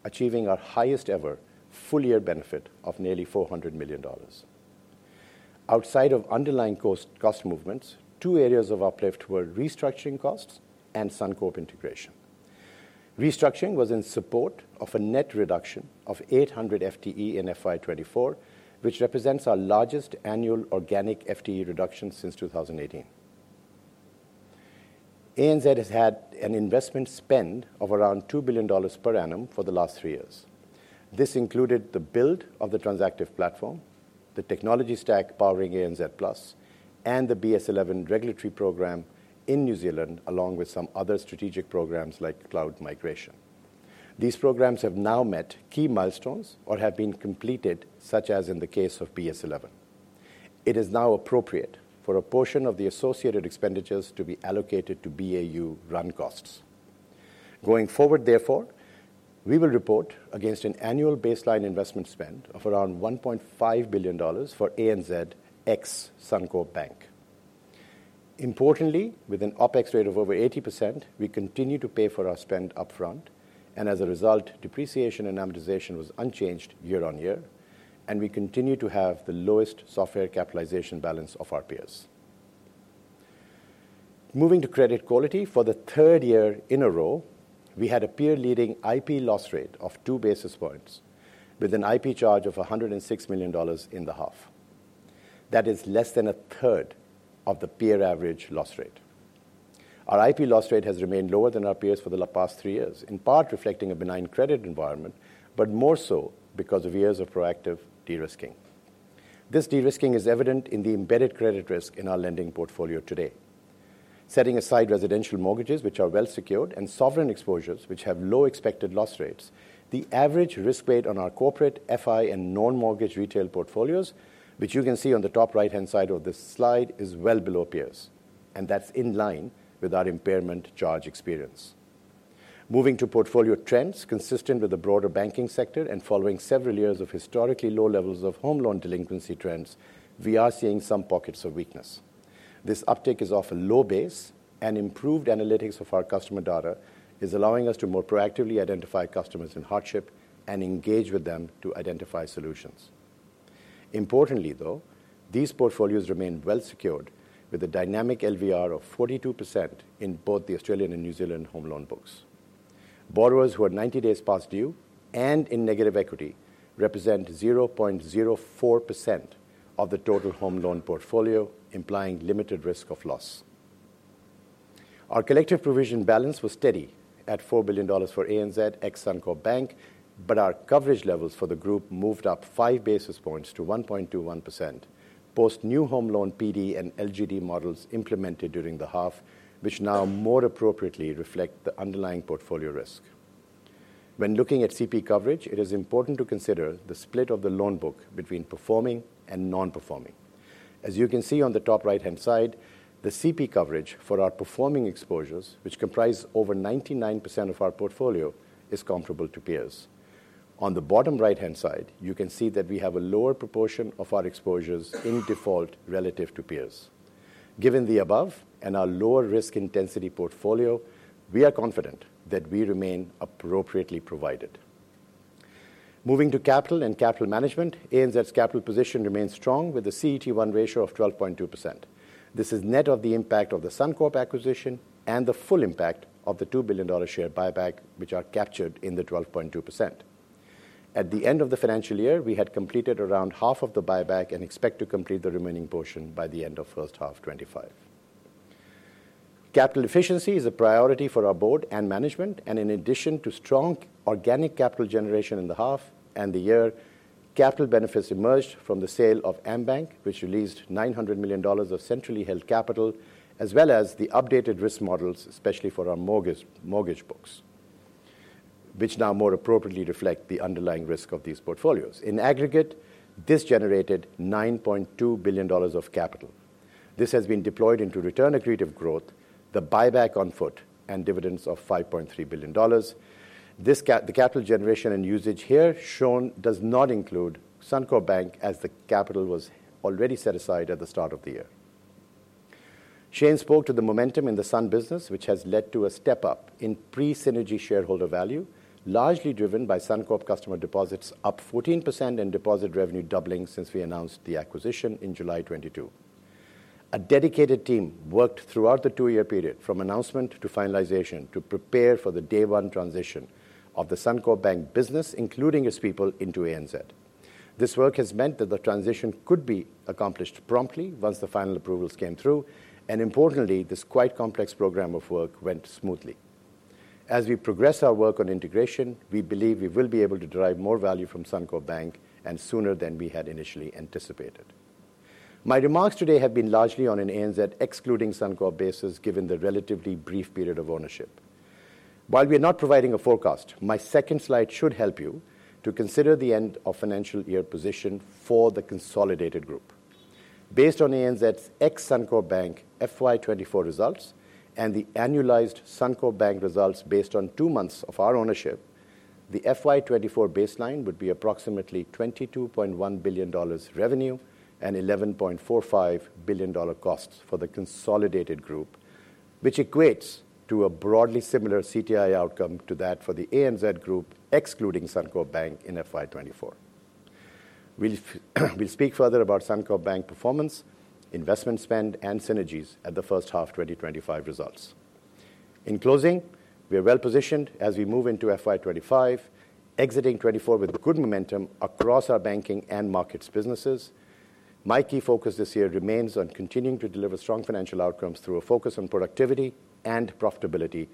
achieving our highest ever full year benefit of nearly 400 million dollars. Outside of underlying cost movements, two areas of uplift were restructuring costs and Suncorp integration. Restructuring was in support of a net reduction of 800 FTE in FY24 which represents our largest annual organic FTE reduction since 2018. ANZ has had an investment spend of around 2 billion dollars per annum for the last three years. This included the build of the Transactive Platform, the technology stack powering ANZ and the BS11 regulatory program in New Zealand along with some other strategic programs like cloud migration. These programs have now met key milestones or have been completed such as in the case of BS11. It is now appropriate for a portion of the associated expenditures to be allocated to BAU run costs going forward. Therefore, we will report against an annual baseline investment spend of around 1.5 billion dollars for ANZ ex Suncorp Bank. Importantly, with an OpEx rate of over 80%, we continue to pay for our spend up front. And as a result depreciation and amortization was unchanged year on year. And we continue to have the lowest software capitalization balance of our peers. Moving to credit quality, for the third year in a row we had a peer leading impairment loss rate of 2 basis points with an impairment charge of $106 million in the half. That is less than a third of the peer average loss rate. Our impairment loss rate has remained lower than our peers for the past three years, in part reflecting a benign credit environment but more so because of years of proactive de-risking. This de-risking is evident in the embedded credit risk in our lending portfolio today. Setting aside residential mortgages which are well secured and sovereign exposures which have low expected loss rates, the average risk weight on our corporate FI and non mortgage retail portfolios which you can see on the top right hand side of this slide is well below peers and that's in line with our impairment charge experience. Moving to portfolio trends consistent with the broader banking sector and following several years of historically low levels of home loan delinquency trends, we are seeing some pockets of weakness. This uptake is of a low base and improved analytics of our customer data is allowing us to more proactively identify customers in hardship and engage with them to identify solutions. Importantly though, these portfolios remain well secured with a dynamic LVR of 42% in both the Australian and New Zealand home loan books. Borrowers who are 90 days past due and in negative equity represent 0.04% of the total home loan portfolio implying limited risk of loss. Our collective provision balance was steady at 4 billion dollars for ANZ ex Suncorp Bank, but our coverage levels for the group moved up 5 basis points to 1.21% post new home loan PD and LGD models implemented during the half which now more appropriately reflect the underlying portfolio risk. When looking at CP coverage it is important to consider the split of the loan book between performing and non-performing. As you can see on the top right hand side, the CP coverage for our performing exposures which comprise over 99% of our portfolio is comparable to peers. On the bottom right hand side you can see that we have a lower proportion of our exposures in default relative to peers. Given the above and our lower risk intensity portfolio, we are confident that we remain appropriately provided. Moving to capital and capital management, ANZ's capital position remains strong with the CET1 ratio of 12.2%. This is net of the impact of the Suncorp acquisition and the full impact of the 2 billion dollar share buyback which are captured in the 12.2%. At the end of the financial year we had completed around half of the buyback and expect to complete the remaining portion by the end of first half. 25 capital efficiency is a priority for our board and management and in addition to strong organic capital generation in the half and the year, capital benefits emerged from the sale of AmBank, which released 900 million dollars of centrally held capital, as well as the updated risk models especially for our mortgage books which now more appropriately reflect the underlying risk of these portfolios. In aggregate, this generated 9.2 billion dollars of capital. This has been deployed into return accretive growth, the buyback on foot and dividends of 5.3 billion dollars. The capital generation and usage here shown does not include Suncorp Bank as the capital was already set aside at the start of the year. Shane spoke to the momentum in the Suncorp business which has led to a step-up in pre-synergy shareholder value largely driven by Suncorp customer deposits up 14% and deposit revenue doubling since we announced the acquisition in July 2022. A dedicated team worked throughout the two-year period from announcement to finalization to prepare for the Day One transition of the Suncorp Bank business, including its people, into ANZ. This work has meant that the transition could be accomplished promptly once the final approvals came through and importantly, this quite complex program of work went smoothly. As we progress our work on integration, we believe we will be able to derive more value from Suncorp Bank and sooner than we had initially anticipated. My remarks today have been largely on an ANZ excluding Suncorp basis given the relatively brief period of ownership. While we are not providing a forecast, my second slide should help you to consider the end of financial year position for the consolidated group based on ANZ ex Suncorp Bank FY24 results and the annualized Suncorp Bank results. Based on two months of our ownership, the FY24 baseline would be approximately 22.1 billion dollars revenue and 11.45 billion dollar costs for the consolidated group, which equates to a broadly similar CTI outcome to that for the ANZ Group excluding Suncorp Bank in FY24. We'll speak further about Suncorp Bank performance, investment spend and Synergies at the first half 2025 results. In closing, we are well positioned as we move into FY25 exiting 24 with good momentum across our banking and markets businesses. My key focus this year remains on continuing to deliver strong financial outcomes through a focus on productivity and profitability,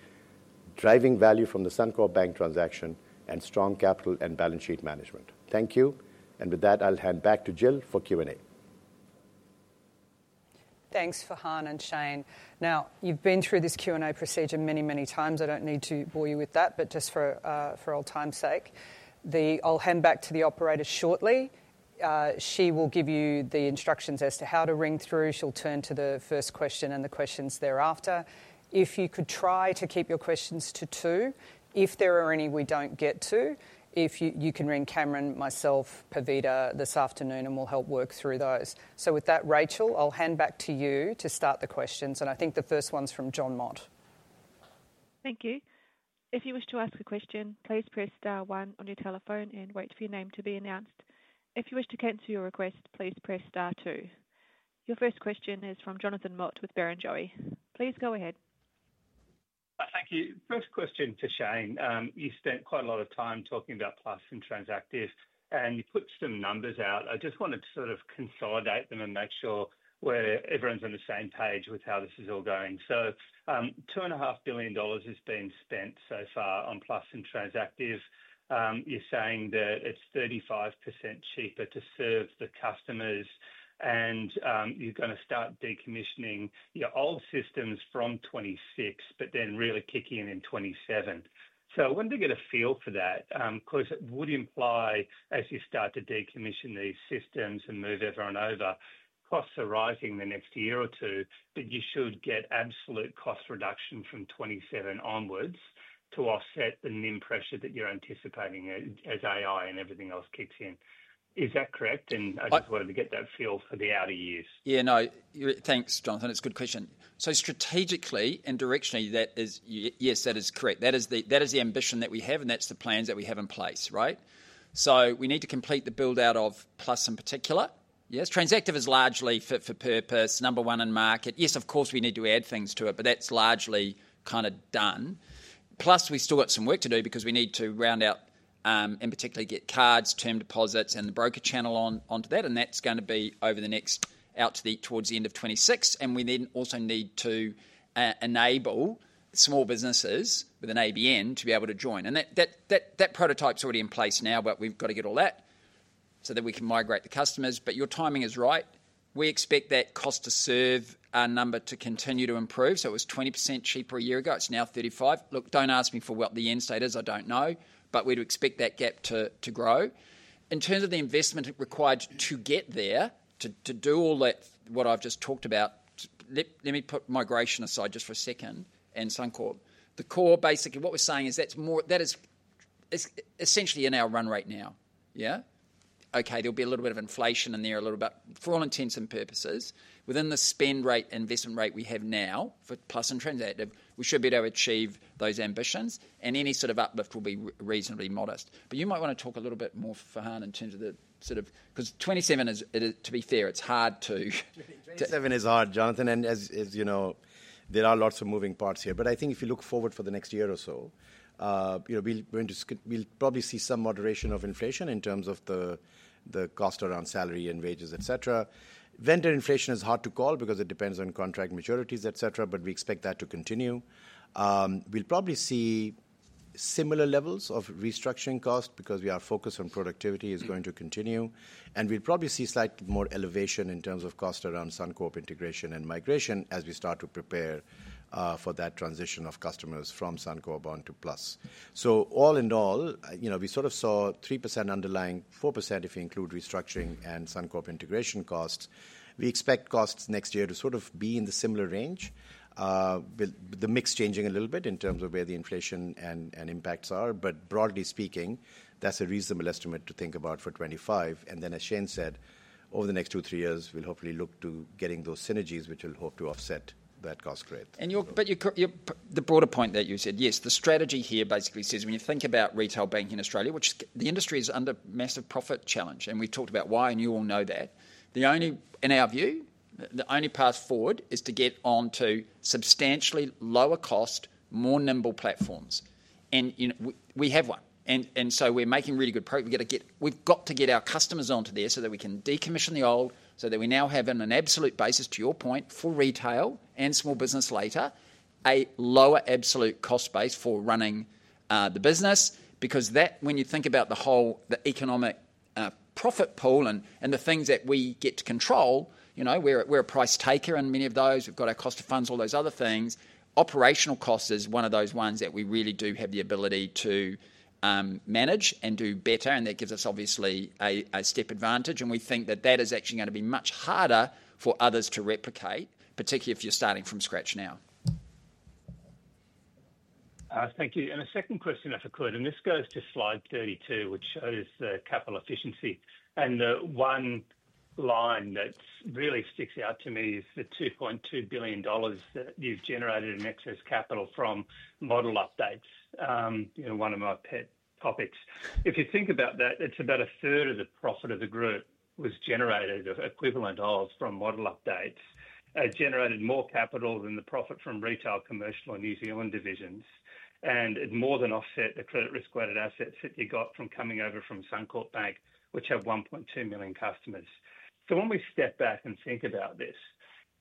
driving value from the Suncorp Bank transaction, and strong capital and balance sheet management. Thank you. And with that, I'll hand back to Jill for Q and A. Thanks, Farhan and Shane. Now, you've been through this Q and A procedure many, many times. I don't need to bore you with that. But just for old time sake, I'll hand back to the operator shortly. She will give you the instructions as to how to ring through. She'll turn to the first question and the questions thereafter. If you could try to keep your questions to two. If there are any we don't get to, you can ring Cameron, myself, Praveeta, this afternoon and we'll help work through those. So with that, Rachel, I'll hand back to you to start the questions. And I think the first one's from Jonathan Mott. Thank you. If you wish to ask a question, please press star one on your telephone and wait for your name to be announced. If you wish to cancel your request, please press star 2. Your first question is from Jonathan Mott with Barrenjoey. Please go ahead. Thank you. First question for Shane. You spent quite a lot of time talking about plus and Transactive and you put some numbers out. I just wanted to sort of consolidate them and make sure where everyone's on the same page with how this is all going. So $2.5 billion has been spent so far on plus and Transactive. You're saying that it's 35% cheaper to serve the customers and you're going to start decommissioning your old systems from 2026, but then really kicking in in 2027. So I want to get a feel for that because it would imply as you start to decommission these systems and move everyone over, costs are rising the next year or two, that you should get absolute cost reduction from 2027 onwards to offset the NIM pressure that you're anticipating as AI and everything else kicks in. Is that correct? And I just wanted to get that feel for the outer years. Yeah, no, thanks, Jonathan. It's a good question. So strategically and directionally, that is yes, that is correct. That is the ambition that we have and that's the plans that we have in place. Right. So we need to complete the build out of plus in particular. Yes, Transactive is largely fit for purpose number one in market. Yes, of course we need to add things to it, but that's largely kind of done. Plus, we've still got some work to do because we need to round out and particularly get cards, term deposits and the broker channel onto that and that's going to be over the next out towards the end of 2026 and we then also need to enable small businesses because an ABN to be able to join and that prototype's already in place now but we've got to get all that so that we can migrate the customers. But your timing is right. We expect that cost to serve number to continue to improve. So it was 20% cheaper a year ago, it's now 35%. Look, don't ask me for what the end state is, I don't know but we do expect that gap to grow in terms of the investment required to get there to do all what I've just talked about. Let me put migration aside just for a second and Suncorp the corp basically what we're saying is that is essentially in our run rate now there'll be a little bit of inflation in there a little bit for all intents and purposes within the spend rate investment rate we have now plus and Transactive we should be able to achieve those ambitions and any sort of uplift will be reasonably modest. But you might want to talk a little bit more Farhan in terms of the sort of because because 27 is to be fair it's hard to 7. It's hard, Jonathan, and as you know there are lots of moving parts here, but I think if you look forward for the next year or so, you know we're going to probably see some moderation of inflation in terms of the cost around salary and wages etc. Vendor inflation is hard to call because it depends on contract maturities etc., but we expect that to continue. We'll probably see similar levels of restructuring cost because we're focused on productivity is going to continue, and we'll probably see slightly more elevation in terms of cost around Suncorp integration and migration as we start to prepare for that transition of customers from Suncorp Bank to Plus. So all in all you know we sort of saw 3% underlying 4% if you include restructuring and Suncorp integration costs. We expect costs next year to sort of be in the similar range with the mix changing a little bit in terms of where the inflation and impacts are, but broadly speaking that's a reasonable estimate to think about for 2025, and then as Shane said over the next two, three years we'll hopefully look to getting those synergies which will hope to offset that cost rate. The broader point that you said, yes, the strategy here basically says when you think about retail banking in Australia, which the industry is under massive profit challenge and we talked about why and you all know that the only, in our view, the only path forward is to get onto something substantially lower cost, more nimble platforms. We have one. So we're making really good progress. We've got to get our customers onto there so that we can decommission the old, so that we now have, in an absolute basis, to your point for retail and small business later, a lower absolute cost base for running the business. Because that, when you think about the whole, the economic profit pool and the things that we get to control, you know, we're a price taker in many of those. We've got our cost of funds, all those other things, operational costs is one of those ones that we really do have the ability to manage and do better, and that gives us obviously a step advantage and we think that that is actually going to be much harder for others to replicate, particularly if you're starting from scratch now. Thank you. And a second question, if I could, and this goes to slide 32, which shows the capital efficiency and the one line that really sticks out to me is the $2.2 billion that you've generated in excess capital from model updates. One of my topics, if you think about that, it's about a third of the profit of the group was generated equivalent of from model updates generated more capital than the profit from retail, commercial and New Zealand divisions. And it more than offset the credit risk weighted assets that you got from coming over from Suncorp Bank which have 1.2 million customers. So when we step back and think about this,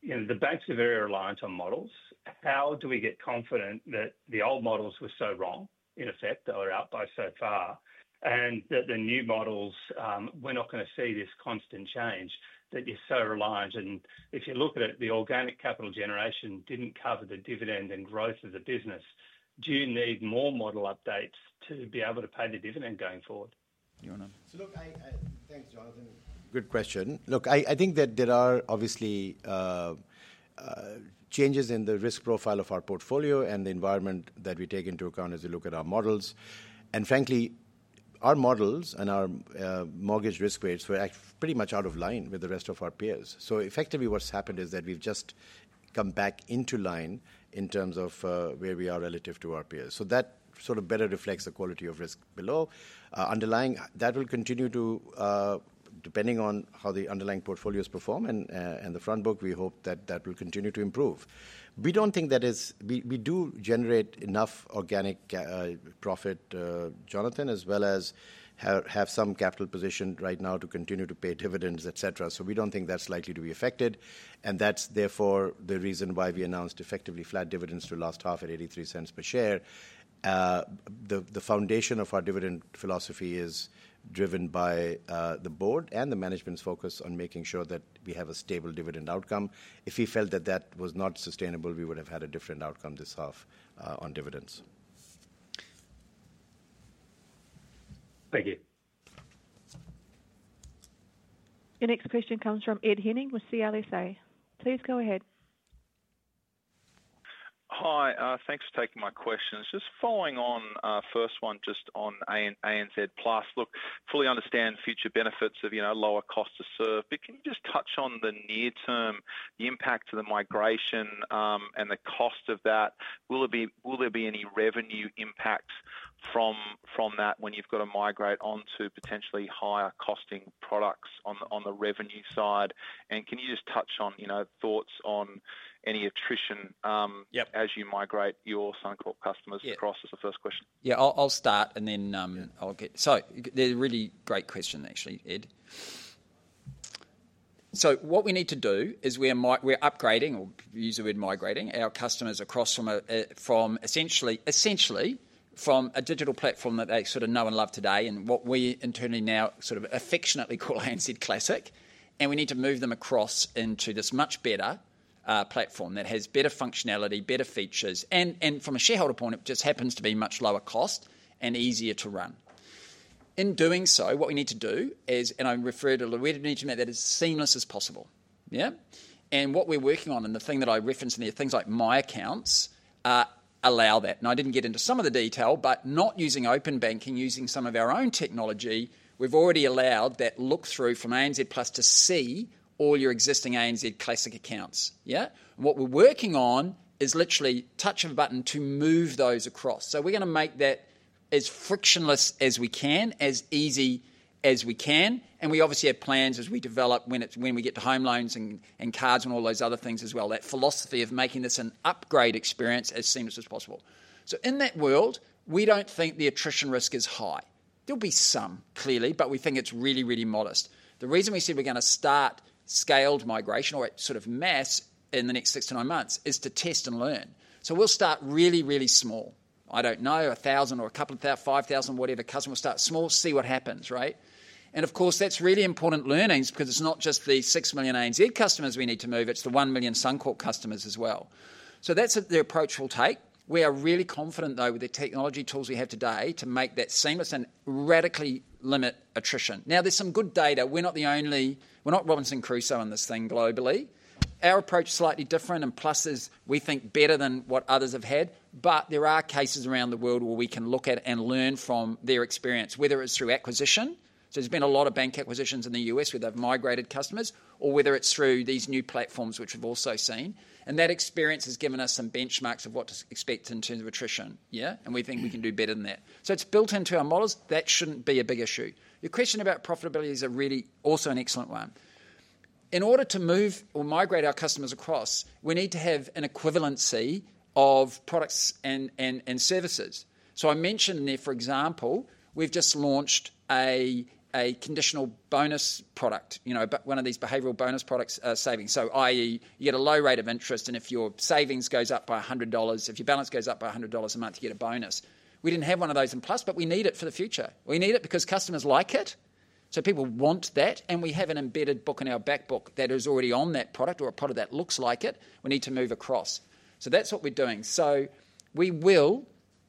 the banks are very reliant on models. How do we get confident that the old models were so wrong? In effect, they were out by so far, and that the new models we're not going to see this constant change that is so reliant. And if you look at it, the organic capital generation didn't cover the dividend and growth of the business. Do you need more model updates to be able to pay the dividend going forward? Thanks, Jonathan. Good question. Look, I think that there are obviously changes in the risk profile of our portfolio and the environment that we take into account as you look at our models, and frankly our models and our mortgage risk rates were pretty much out of line with the rest of our peers. So effectively what's happened is that we've just come back into line in terms of where we are relative to our peers. So that sort of better reflects the quality of risk below underlying that will continue to depending on how the underlying portfolios perform and the front book, we hope that that will continue to improve. We don't think that is. We do generate enough organic profit, Jonathan, as well as have some capital position right now to continue to pay dividends, etc. We don't think that's likely to be affected and that's therefore the reason why we announced effectively flat dividends to last half at 0.83 per share. The foundation of our dividend philosophy is driven by the board and the management's focus on making sure that we have a stable dividend outcome. If he felt that that was not sustainable, we would have had a different outcome. This half on dividends. Thank you. Your next question comes from Ed Henning with CLSA. Please go ahead. Hi, thanks for taking my questions. Just following on first one just on ANZ Plus look, fully understand future benefits of, you know, lower cost to serve, but can you just touch on the near term, the impact of the migration and the cost of that? Will there be any revenue impact from that when you've got to migrate onto potentially higher costing products on the revenue side? And can you just touch on thoughts on any attrition as you migrate your Suncorp customers across? Is the first question. Yeah, I'll start and then I'll get so really great question actually Ed. So what we need to do is we're upgrading or use the word migrating our customers across from essentially from a digital platform that they sort of know and love today and what we internally now sort of affectionately call ANZ Classic. And we need to move them across into this much better platform that has better functionality, better features and from a shareholder point it just happens to be much lower cost and easier to run in doing. So what we need to do is, and I refer to Louisa, need to make that as seamless as possible. And what we're working on and the thing that I referenced in there, things like my accounts allow that and I didn't get into some of the detail, but not using open banking, using some of our own technology, we've already allowed that look through from ANZ to see all your existing ANZ Classic accounts. Yeah, what we're working on is literally touch of a button to move those across. So we're going to make that as frictionless as we can, as easy as we can. And we obviously have plans as we develop when we get to home loans and cards and all those other things as well. That philosophy of making this an upgrade experience as seamless as possible. So in that world, we don't think the attrition risk is high. There'll be some, clearly, but we think it's really, really modest. The reason we said we're going to start scaled migration or sort of mass in the next six to nine months is to test and learn. So we'll start really, really small. I don't know, a thousand or a couple of thousand, five thousand, whatever. Customers start small, see what happens, right, and of course, that's really important learnings because it's not just the six million ANZ customers we need to move, it's the one million Suncorp customers as well. So that's the approach we'll take. We are really confident though, with the technology tools we have today to make that seamless and radically limit attrition. Now, there's some good data. We're not the only. We're not Robinson Crusoe on this thing. Globally, our approach is slightly different and Plus is, we think, better than what others have had. But there are cases around the world where we can look at and learn from their experience, whether it's through acquisition, so there's been a lot of bank acquisitions in the U.S. where they've migrated customers, or whether it's through these new platforms, which we've also seen. And that experience has given us some benchmarks of what to expect in terms of attrition. Yeah. And we think we can do better than that. So it's built into our models. That shouldn't be a big issue. Your question about profitability is really also an excellent one. In order to move or migrate our customers across, we need to have an equivalency of products and services. So I mentioned there, for example, we've just launched a conditional bonus product, one of these behavioral bonus products, savings. So, i.e., you get a low rate of interest and if your savings goes up by 100 dollars, if your balance goes up by 100 dollars a month, you get a bonus. We didn't have one of those in plus, but we need it for the future. We need it because customers like it. People want that. We have an embedded book in our back book that is already on that product or a product that looks like it. We need to move across. That's what we're doing.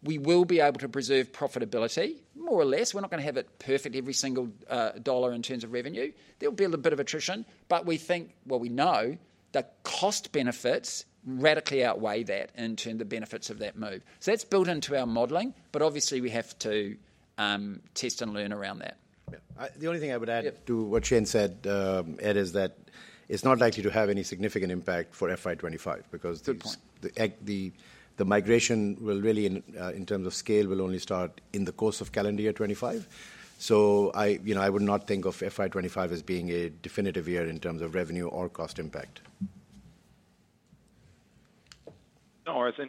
We will be able to preserve profitability, more or less. We're not going to have it perfect. Every single dollar in terms of revenue, there'll be a little bit of attrition. We think, well, we know the cost benefits radically outweigh that in terms of the benefits of that move. So that's built into our modeling but obviously we have to test and learn around that. The only thing I would add to what Shane said, Ed, is that it's not likely to have any significant impact for FY25 because the migration will really, in terms of scale will only start in the course of calendar year 25. So I would not think of FY25 as being a definitive year in terms of revenue or cost impact.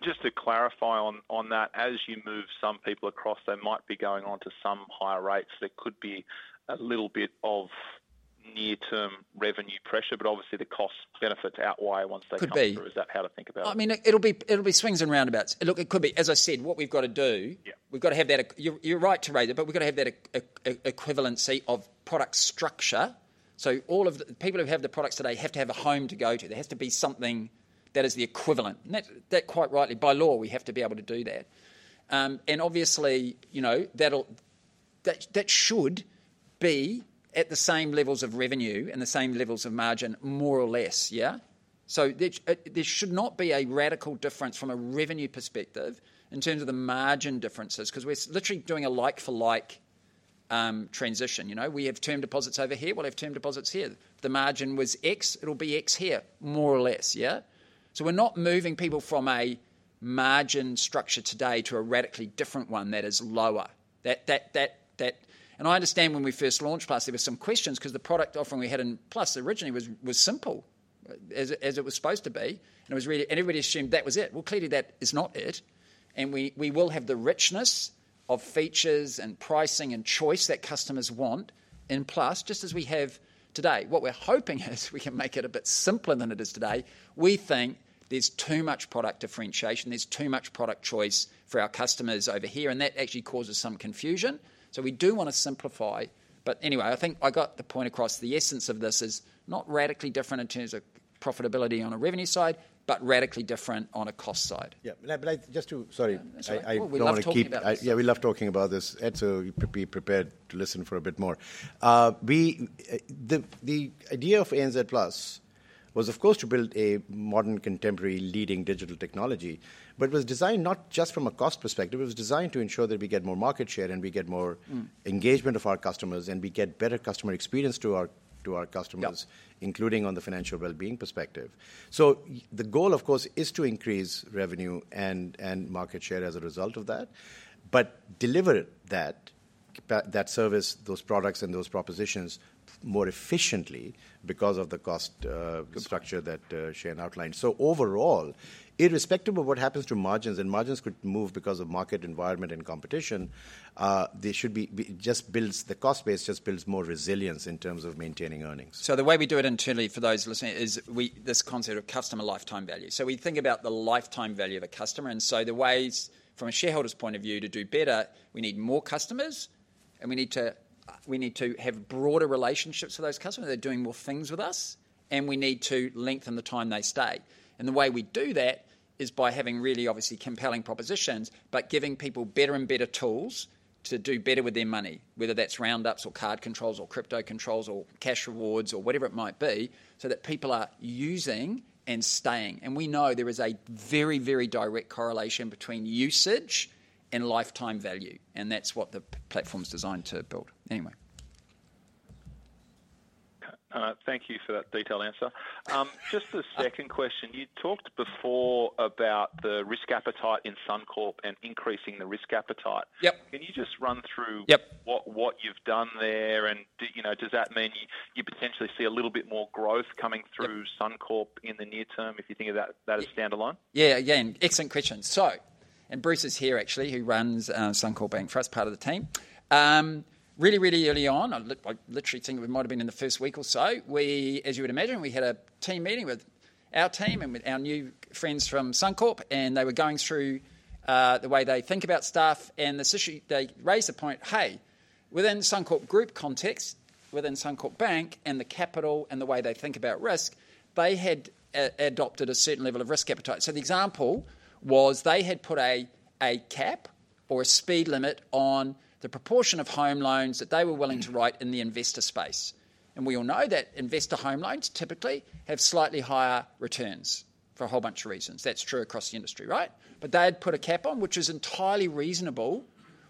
Just to clarify on that, as you move some people across, they might be going on to some higher rates. There could be a little bit of near-term revenue pressure, but obviously the cost benefits outweigh once they come over. Is that how to think about it? I mean it'll be swings and rounds, roundabouts. Look, it could be, as I said, what we've got to do, we've got to have that, you're right to raise it, but we've got to have that equivalency of product structure. So all of the people who have the products today have to have a home to go to. There has to be something that is the equivalent that quite rightly, by law we have to be able to do that. And obviously, you know, that should be at the same levels of revenue and the same levels of margin. More or less. Yeah. So there should not be a radical difference from a revenue perspective in terms of the margin differences because we're literally doing a like, for like transition. You know, we have term deposits over here, we'll have term deposits here. The margin was X, it'll be X here. More or less. Yeah. So we're not moving people from a margin structure today to a radically different one that is lower than that. And I understand when we first launched plus there were some questions because the product offering we had in plus originally was simple as it was supposed to be and everybody assumed that was it. Well, clearly that is not it. And we will have the richness of features and pricing and choice that customers want. And plus, just as we have today, what we're hoping is we can make it a bit simpler than it is today. We think there's too much product differentiation, there's too much product choice for our customers over here and that actually causes some confusion. So we do want to simplify. But anyway, I think I got the point across. The essence of this is not radically different in terms of profitability on a revenue side, but radically different on a cost side. We love talking about this, so you be prepared to listen for a bit more. The idea of ANZ was of course to build a modern, contemporary, leading digital technology, but was designed not just from a cost perspective. It was designed to ensure that we get more market share and we get more engagement of our customers and we get better customer experience to our customers, including on the financial well-being perspective. So the goal of course is to increase revenue and market share as a result of that, but deliver that service, those products and those propositions more efficiently because of the cost structure that Shane outlined. So overall, irrespective of what happens to margins, and margins could move because of market environment and competition, they should be just builds the cost base, just builds more resilience in terms of maintaining earnings. So the way we do it internally for those listening, is this concept of customer lifetime value. So we think about the lifetime value of a customer and so the ways from a shareholder's point of view to do better. We need more customers and we need to have broader relationships with those customers that are doing more things with us and we need to lengthen the time they stay. And the way we do that is by having really obviously compelling propositions, but giving people better and better tools to do better with their money, whether that's roundups or card controls or crypto controls or cash rewards or whatever it might be, so that people are using and staying. And we know there is a very, very direct correlation between usage and lifetime value. And that's what the platform is designed to build. Anyway. Thank you for that detailed answer. Just the second question you talked before about the risk appetite in Suncorp and increasing the risk appetite. Can you just run through what you've done there and does that mean you potentially see a little bit more growth coming through Suncorp in the near term? If you think of that as standalone? Yeah, again, excellent question. So, and Bruce is here actually, who runs Suncorp Bank for us, part of the team. Really, really early on, I literally think it might have been in the first week or so, we, as you would imagine, we had a team meeting with our team and with our new friends from Suncorp and they were going through the way they think about stuff and this issue, they raised the point, hey, within Suncorp Group context, within Suncorp Bank and the capital and the way they think about risk, they had adopted a certain level of risk appetite. So the example was they had put a, a cap or a speed limit on the proportion of home loans that they were willing to write in the investor space. We all know that investor home loans typically have slightly higher returns for a whole bunch of reasons. That's true across the industry. Right. But they had put a cap on, which is entirely reasonable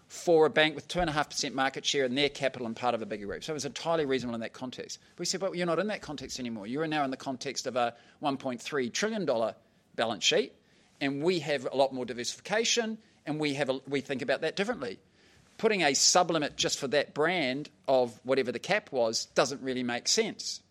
for a bank with 2.5% market share in their capital and part of a bigger group. So it was entirely reasonable in that context. We said, well, you're not in that context anymore. You are now in the context of a 1.3 trillion dollar balance sheet. And we have a lot more diversification and we have. We think about that differently. Putting a sub limit just for that brand of whatever the cap was doesn't really make sense.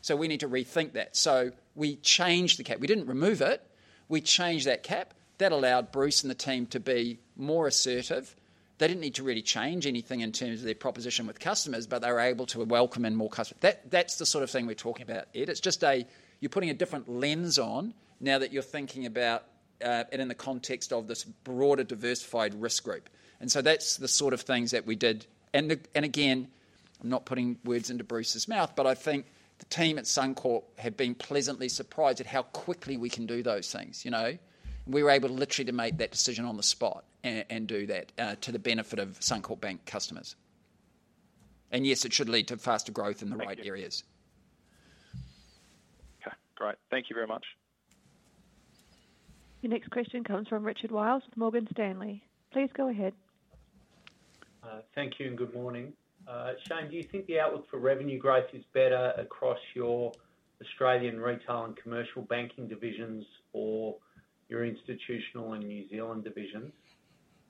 So we need to rethink that. So we changed the cap. We didn't remove it, we changed that cap. That allowed Bruce and the team to be more assertive. They didn't need to really change anything in terms of their proposition with customers, but they were able to welcome in more customers. That's the sort of thing we're talking about, Ed. It's just you're putting a different lens on now that you're thinking about it in the context of this broader diversified risk group. And so that's the sort of things that we did. And again, I'm not putting words into Bruce's mouth, but I think the team at Suncorp have been pleasantly surprised at how quickly we can do those things. You know, we were able literally to make that decision on the spot and do that to the benefit of Suncorp Bank customers. And yes, it should lead to faster growth in the right areas. Okay, great. Thank you very much. Your next question comes from Richard Wiles with Morgan Stanley. Please go ahead. Thank you and good morning. Shane, do you think the outlook for revenue growth is better across your Australian retail and commercial banking divisions or your institutional and New Zealand divisions?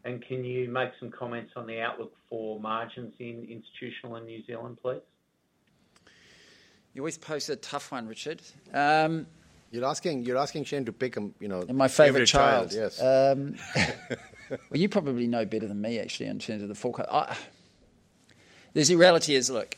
And can you make some comments on the outlook for margins in institutional and New Zealand, please? You always post a tough one. Richard, you're asking Shane to pick my favorite child. You probably know better than me, actually, in terms of the forecast. The reality is, look,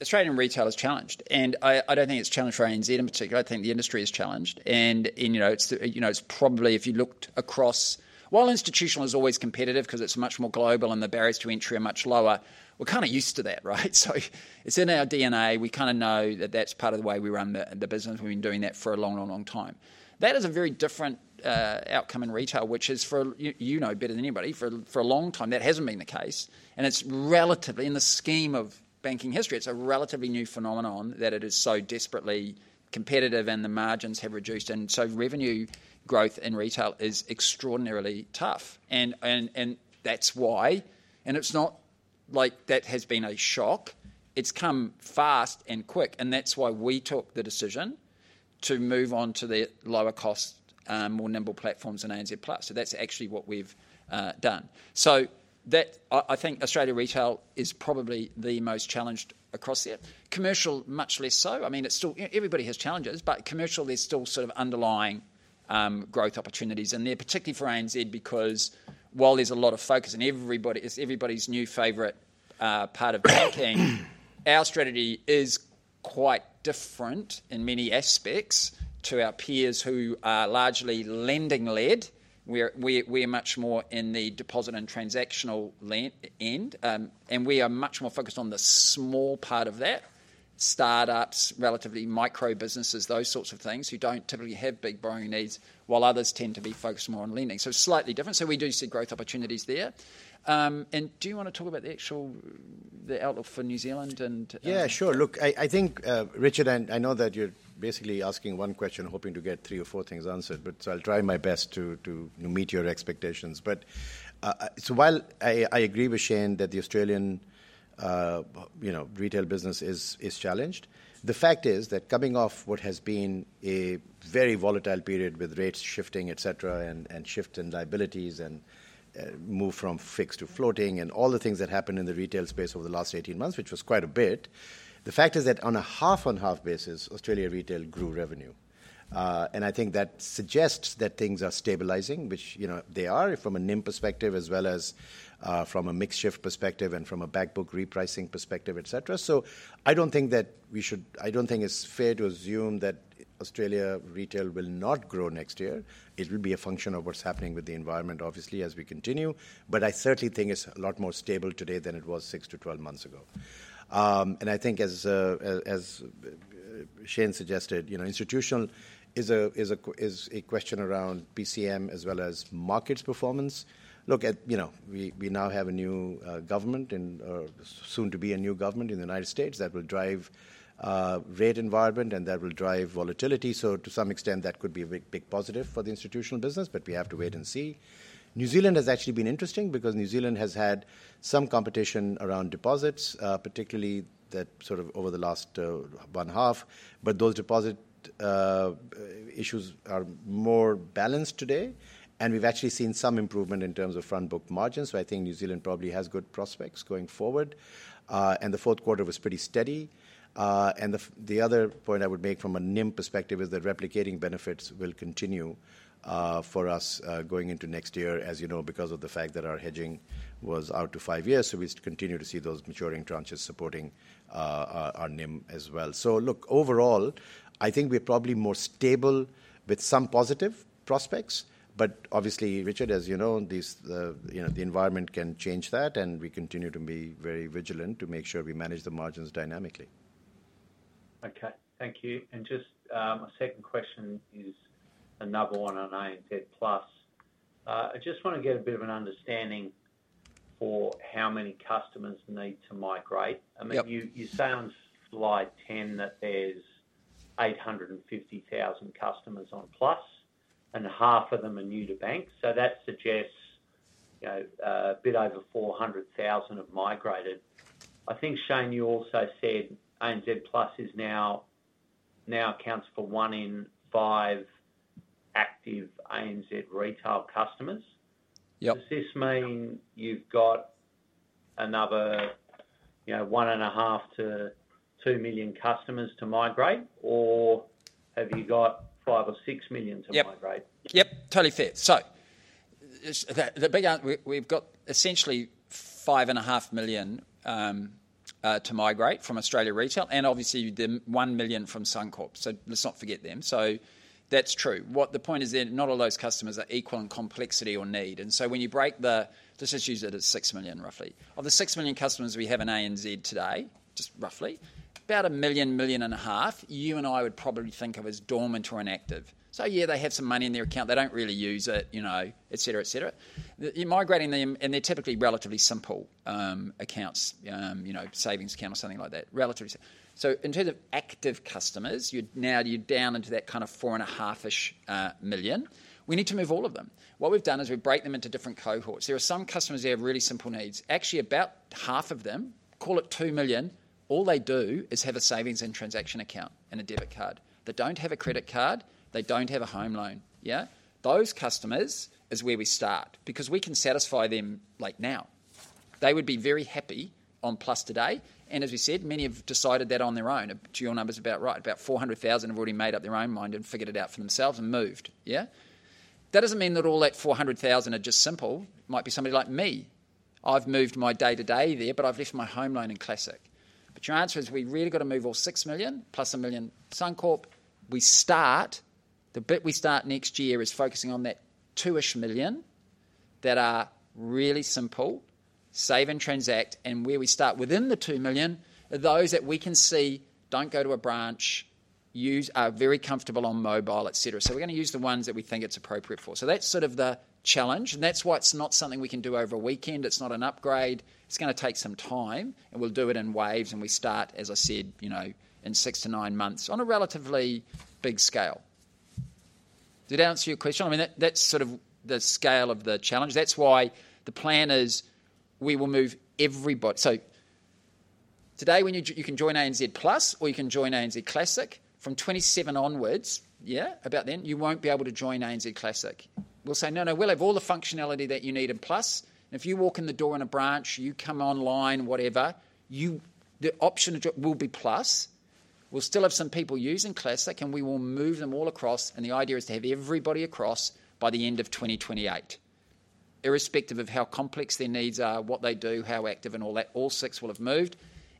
Australian retail is challenged and I don't think it's challenged for ANZ in particular. I think the industry is challenged. And it's probably, if you looked across, while institutional is always competitive because it's much more global and the barriers to entry are much lower. We're kind of used to that, right? So it's in our DNA. We kind of know that that's part of the way we run the business. We've been doing that for a long, long, long time. That is a very different outcome in retail which is, you know, better than anybody. For a long time that hasn't been the case, and it's relatively in the scheme of banking history. It's a relatively new phenomenon that it is so desperately competitive, and the margins have reduced, and so revenue growth in retail is extraordinarily tough, and that's why, and it's not like that has been a shock. It's come fast and quick, and that's why we took the decision to move on to the lower cost, more nimble platforms in ANZ Plus, so that's actually what we've done so that I think Australia retail is probably the most challenged across there. Commercial, much less so. I mean it's still, everybody has challenges but commercial there's still sort of underlying growth opportunities in there, particularly for ANZ because while there's a lot of focus and everybody is everybody's new favorite part of banking, our strategy is quite different in many aspects to our peers who are largely lending led. We are much more in the deposit and transactional end and we are much more focused on the small part of that startups, relatively micro businesses, those sorts of things who don't typically have big borrowing needs while others tend to be focused more on lending. So slightly different. So we do see growth opportunities there and do you want to talk about the actual outlook for New Zealand and. Yeah, sure. Look, I think Richard, I know that you're basically asking one question, hoping to get three or four things answered but I'll try my best to meet your expectations but so while I agree with Shayne that the Australian, you know, retail business is challenged, the fact is that coming off what has been a very volatile period with rates shifting, etc., and shift in liabilities and move from fixed to floating and all the things that happened in the retail space over the last 18 months, which was quite a bit. The fact is that on a half and half basis Australia retail grew revenue and I think that suggests that things are stabilizing which, you know, they are from a NIM perspective as well as from a mix shift perspective and from a back book repricing perspective etc. I don't think that we should. I don't think it's fair to assume that Australia Retail will not grow next year. It will be a function of what's happening with the environment obviously as we continue. But I certainly think it's a lot more stable today than it was six to 12 months ago. And I think as Shayne suggested, you know, Institutional is a question around PCM as well as Markets performance. Look at, you know, we now have a new government and soon to be a new government in the United States that will drive rate environment and that will drive volatility. So to some extent that could be a big positive for the Institutional business. But we have to wait and see. New Zealand has actually been interesting because New Zealand has had some competition around deposits, particularly that sort of over the last one half. But those deposit issues are more balanced today and we've actually seen some improvement in terms of front book margin. So I think New Zealand probably has good prospects going forward. And the fourth quarter was pretty steady. And the other point I would make from a NIM perspective is that replicating benefits will continue for us going into next year, as you know, because of the fact that our hedging was out to five years. So we continue to see those maturing tranches supporting our NIM as well. So look, overall I think we're probably more stable with some positive prospects. But obviously Richard, as you know, the environment can change that and we continue to be very vigilant to make sure we manage the margins dynamically. Okay, thank you. And just a second question is another one on ANZ Plus. I just want to get a bit of an understanding for how many customers need to migrate. I mean, you say on slide 10 that there's 850,000 customers on Plus and half of them are new to banks. So that suggests a bit over 400,000 have migrated, I think. Shane, you also said ANZ now accounts for 1 in 5 active ANZ retail customers. Does this mean you've got another 1.5-2 million customers to migrate or have you got 5 or 6 million to migrate? Yep, totally fair. We've got essentially 5.5 million to migrate from Australia retail and obviously 1 million from Suncorp. So that's true. But the point is that not all those customers are equal in complexity or need. Let's just use it as 6 million roughly of the 6 million customers we have in ANZ today, just roughly about 1 million to 1.5 million. You and I would probably think of as dormant or inactive. So yeah, they have some money in their account, they don't really use it, you know, et cetera, et cetera. You're migrating them and they're typically relatively simple accounts, you know, savings account or something like that, relatively simple. So in terms of active customers, you're now down into that kind of 4.5-ish million. We need to move all of them. What we've done is we break them into different cohorts. There are some customers who have really simple needs, actually about half of them call it 2 million. All they do is have a savings and transaction account and a debit card. They don't have a credit card, they don't have a home loan. Yeah, those customers is where we start because we can satisfy them like now, they would be very happy on Plus today. And as we said, many have decided that on their own. Your number's about right. About 400,000 have already made up their own mind and figured it out for themselves and moved. Yeah, that doesn't mean that all that 400,000 are just simple. Might be somebody like me. I've moved my day to day there, but I've left my home loan in Classic. But your answer is we really got to move all six million plus a million Suncorp. We start. The bit we start next year is focusing on that two-ish million that are really simple, save and transact. And where we start within the two million are those that we can see, don't go to a branch, are very comfortable on mobile, et cetera. So we're going to use the ones that we think it's appropriate for. So that's sort of the challenge. And that's why it's not something we can do over a weekend. It's not an upgrade. It's going to take some time and we'll do it in waves and we start, as I said, in six to nine months on a relatively big scale. Did I answer your question? I mean, that's sort of the scale of the challenge. That's why the plan is we will move everybody. So today you can join ANZ Plus or you can join ANZ Classic from 2027 onwards. Yeah, about then you won't be able to join ANZ Classic. We'll say, no, no, we'll have all the functionality that you need in Plus, if you walk in the door in a branch, you come online, whatever the option will be. Plus we'll still have some people using Classic and we will move them all across. And the idea is to have everybody across by the end of 2028, irrespective of how complex their needs are, what they do, how active and all that. All six will have moved.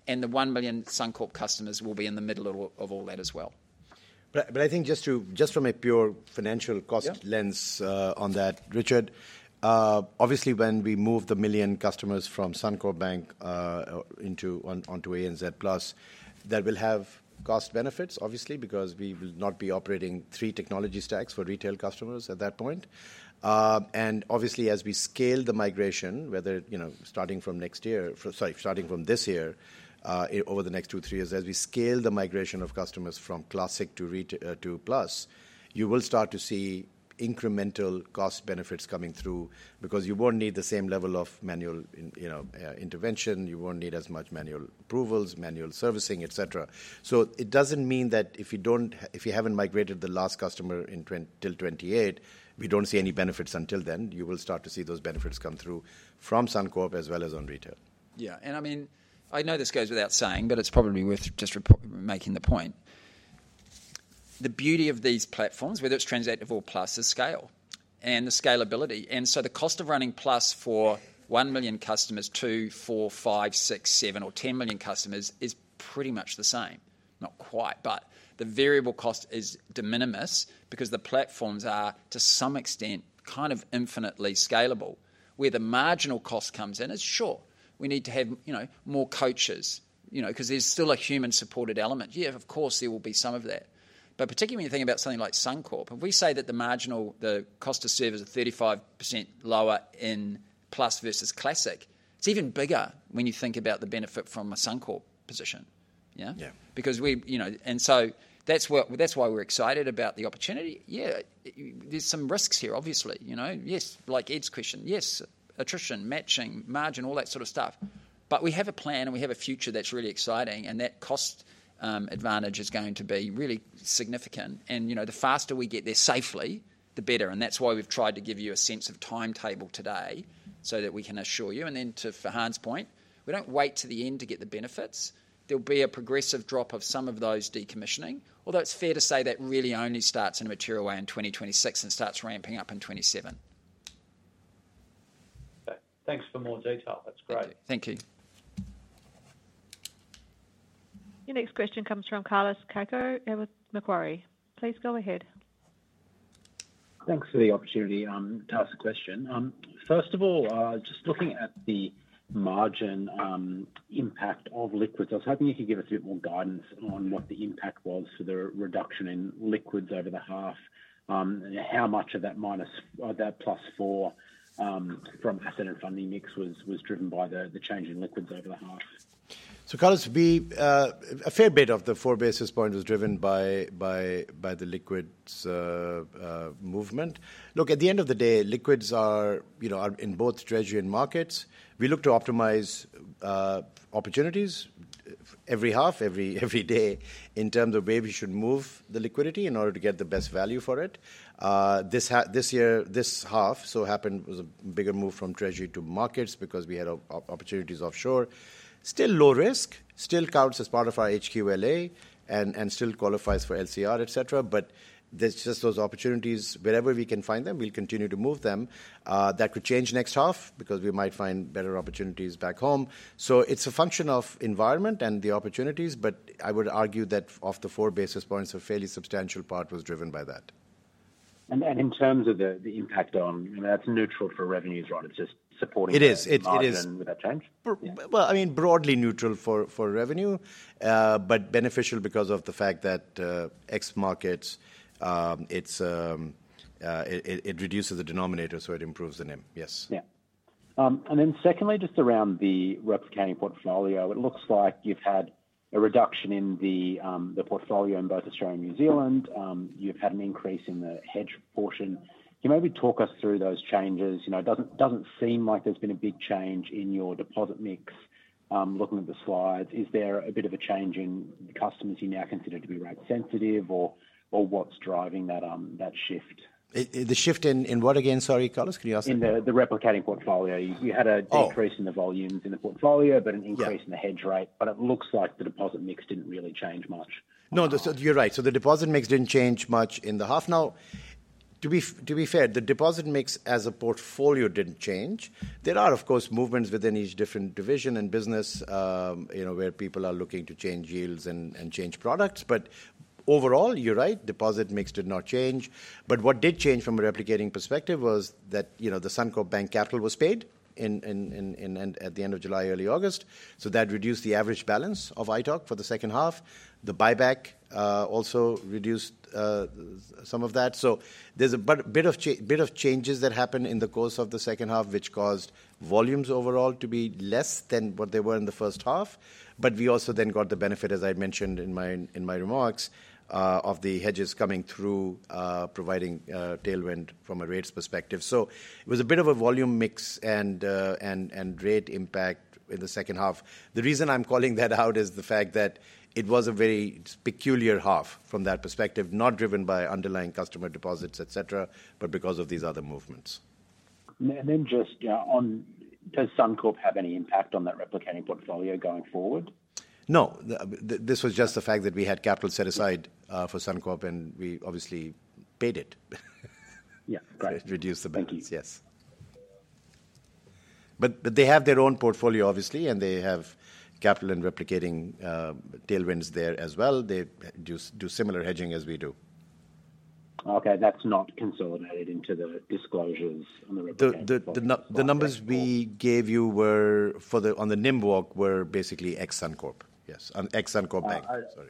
And the 1 million Suncorp customers will be in the middle of all that as well. But I think just from a pure financial cost lens on that, Richard, obviously when we move the million customers from Suncorp Bank into onto ANZ Plus. That will have cost benefits, obviously, because we will not be operating three technology stacks for retail customers at that point. And obviously, as we scale the migration, whether, you know, starting from next year. Sorry, starting from this year, over the next two, three years, as we scale the migration of customers from classic to retail to Plus, you will start to see incremental cost benefits coming through, because you won't need the same level of manual intervention, you won't need as much manual approvals, manual servicing, et cetera. So it doesn't mean that if you don't, if you haven't migrated the last customer till 2028, we don't see any benefits until then. You will start to see those benefits come through from Suncorp as well as on retail. Yeah. And I mean, I know this goes without saying, but it's probably worth just making the point. The beauty of these platforms, whether it's Transactive or Plus, is scale and the scalability. And so the cost of running Plus for one million customers, two, four, five, six, seven or 10 million customers, is pretty much the same. Not quite, but the variable cost is de minimis because the platforms are to some extent, kind of infinitely scalable. Where the marginal cost comes in is short. We need to have more coaches because there's still a human supported element. Yeah, of course, there will be some of that, but particularly when you think about something like Suncorp, if we say that the marginal, the cost of service is 35% lower in Plus versus Classic, it's even bigger when you think about the benefit from a Suncorp position. And so that's why we're excited about the opportunity. Yeah. There's some risks here, obviously. Yes. Like Ed's question. Yes. Attrition, matching margin, all that sort of stuff. But we have a plan and we have a future that's really exciting and that cost advantage is going to be really significant. And, you know, the faster we get there safely, the better. And that's why we've tried to give you a sense of timetable today so that we can assure you. And then to Farhan's point, we don't wait to the end to get the benefits. There'll be a progressive drop of some of those, decommissioning, although it's fair to say that really only starts in a material way in 2026 and starts ramping up in 2027. Thanks for more detail. That's great. Thank you. Your next question comes from Carlos Cacho, Jarden. Please go ahead. Thanks for the opportunity to ask a question. First of all, just looking at the margin impact of liquids, I was hoping you could give us a bit more guidance on what the impact was for the reduction in liquids over the half. How much of that minus that plus four from asset and funding mix was driven by the change in liquids over the half. Carlos, a fair bit of the four basis point was driven by the liquids movement. Look, at the end of the day, liquids are in both treasury and markets. We look to optimize opportunities every half, every day in terms of where we should move the liquidity in order to get the best value for it. This half so happened was a bigger move from treasury to markets because we had opportunities offshore, still low risk, still counts as part of our HQLA and still qualifies for LCR, etc. But there's just those opportunities, wherever we can find them, we'll continue to move them. That could change next half because we might find better opportunities back home. It's a function of environment and the opportunities. But I would argue that of the four basis points, a fairly substantial part was driven by that. In terms of the impact on. That's neutral for revenues, right? It's just supporting it, is it, with that change? I mean, broadly neutral for revenue, but beneficial because of the fact that ex markets, it reduces the denominator, so it improves the. Yes. And then, secondly, just around the replicating portfolio, it looks like you've had a reduction in the portfolio in both Australia and New Zealand. You've had an increase in the hedge portion. Can you maybe talk us through those changes? You know, doesn't seem like there's been a big change in your deposit mix. Looking at the slides, is there a bit of a change in customers you now consider to be rate sensitive or what's driving that shift? The shift in what again? Sorry, Carlos, can you ask. The replicating portfolio, you had a decrease in the volumes in the portfolio, but an increase in the hedge rate, but it looks like the deposit mix didn't really change much. No, you're right. So the deposit mix didn't change much in the half. Now, to be fair, the deposit mix as a portfolio didn't change. There are of course movements within each different division and business where people are looking to change yields and change prices, products. But overall, you're right, deposit mix did not change. But what did change from a replicating perspective was that, you know, the Suncorp Bank capital was paid at the end of July, early August, so that reduced the average balance of ITOC for the second half, the buyback also reduced some of that. So there's a bit of changes that happened in the course of the second half which caused volumes overall to be less than what they were in the first half. But we also then got the benefit, as I mentioned in my remarks of the hedges coming through, providing tailwind from a rates perspective. So it was a bit of a volume mix and rate impact in the second half. The reason I'm calling that out is the fact that it was a very peculiar half from that perspective. Not driven by underlying customer deposits, etc. But because of these other movements. And then, just on. Does Suncorp have any impact on that replicating portfolio going forward? No, this was just the fact that we had capital set aside for Suncorp and we obviously paid it. Yeah, reduce the banking. Yes, but they have their own portfolio obviously and they have capital and replicating tailwinds there as well. They do similar hedging as we do. Okay, that's not consolidated into the disclosures. The numbers we gave you were for the ex-Suncorp. On the NIM walk were basically ex-Suncorp. Yes, on ex-Suncorp Bank. Sorry,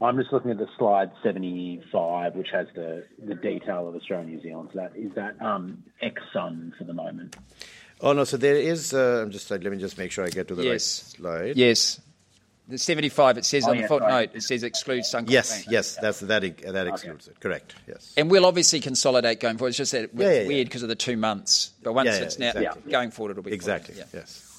I'm just looking at the slide 75 which has the detail of Australia, New Zealand. So that is that section for the moment. Oh no, so there is. I'm just, like, let me just make sure I get to the right slide. Yes, the 75 it says on the footnote. It says excludes Suncorp. Yes, yes, that's that. That excludes it. Correct. Yes. And we'll obviously consolidate going forward. It's just that weird because of the two months. But once it's now going forward it'll be. Exactly. Yes,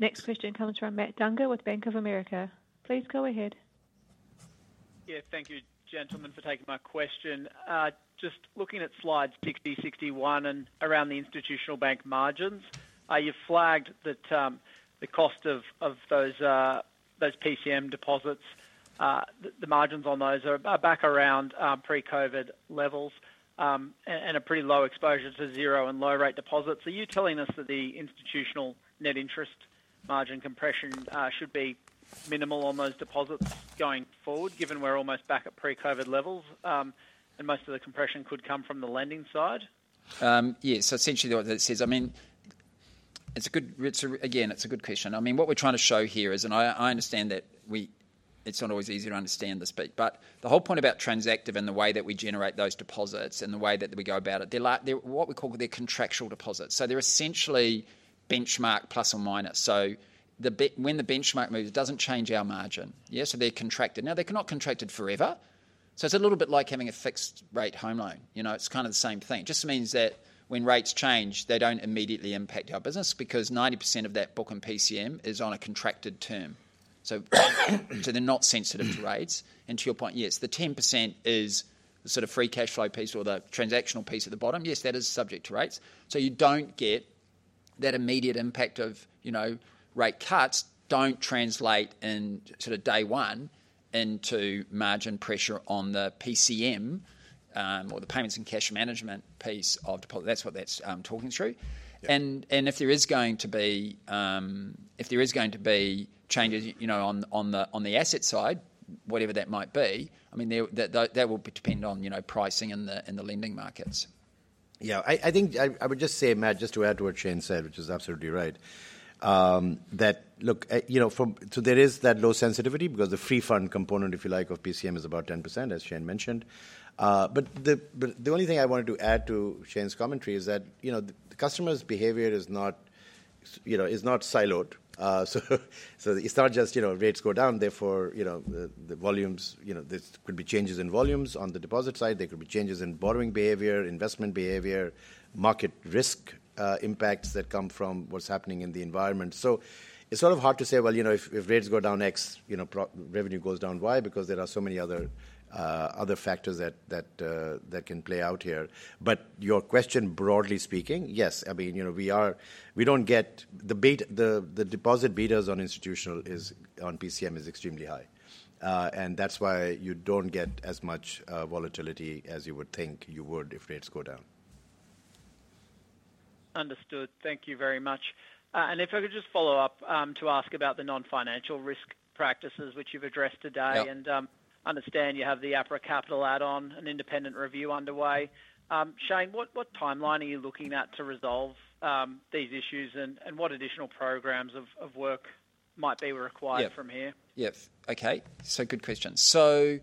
thanks. Next question comes from Matt Dunger with Bank of America. Please go ahead. Yeah, thank you gentlemen for taking my question. Just looking at Slide 60, 61 and around the Institutional bank margins, you flagged that the cost of those PCM deposits, the margins on those are back around pre-COVID levels and a pretty low exposure to zero and low rate deposits. Are you telling us that the institutional net interest margin compression should be minimal on those deposits going forward, given we're almost back at pre-COVID levels and most of the compression could come from the lending side. Yes, essentially what that says. I mean, it's a good. Again, it's a good question. I mean, what we're trying to show here is. And I understand that we. It's not always easy to understand this bit, but the whole point about Transactive and the way that we generate those deposits. And the way that we go about it, they're like, they're what we call their contractual deposits. So they're essentially benchmark plus or minus. So when the benchmark moves it doesn't change our margin. So they're contracted now, they cannot contract it forever. So it's a little bit like having a fixed rate home loan. You know, it's kind of the same thing. Just means that when rates change they don't immediately impact our business because 90% of that book and PCM is on a contracted term. So they're not sensitive to rates. And to your point. Yes, the 10% is the sort of free cash flow piece or the transactional piece at the bottom. Yes. That is subject to rates. So you don't get that immediate impact of rate cuts don't translate in day one into margin pressure on the PCM or the payments and cash management piece of deposit. That's what that's talking through, and if there is going to be changes on the asset side, whatever that might be, that will depend on pricing in the lending markets. Yeah, I think I would just say Matt, just to add to what Shane said, which is absolutely right, that look, you know, so there is that low sensitivity because the free fund component, if you like, of PCM is about 10% as Shane mentioned. But the only thing I wanted to add to Shane's commentary is that you know, the customer's behavior is not, you know, is not siloed. So it's not just you know, rates go down. Therefore you know, the volumes, this could be changes in volumes on the deposit side. There could be changes in borrowing behavior, investment behavior, market risk impacts that come from what's happening in the environment. It's sort of hard to say. Well, you know, if rates go down X, you know, revenue goes down Y because there are so many other factors that can play out here. But your question, broadly speaking. Yes, I mean, you know, we are. We don't get the beta. The deposit betas on institutional is on PCM is extremely high and that's why you don't get as much volatility as you would think you would if rates go down. Understood, thank you very much. And if I could just follow up to ask about the non-financial risk practices which you've addressed today and understand you have the APRA capital add-on an independent review underway. Shane, what timeline are you looking at to resolve these issues and what additional programs of work might be required from here? Yes. Okay, so good question. So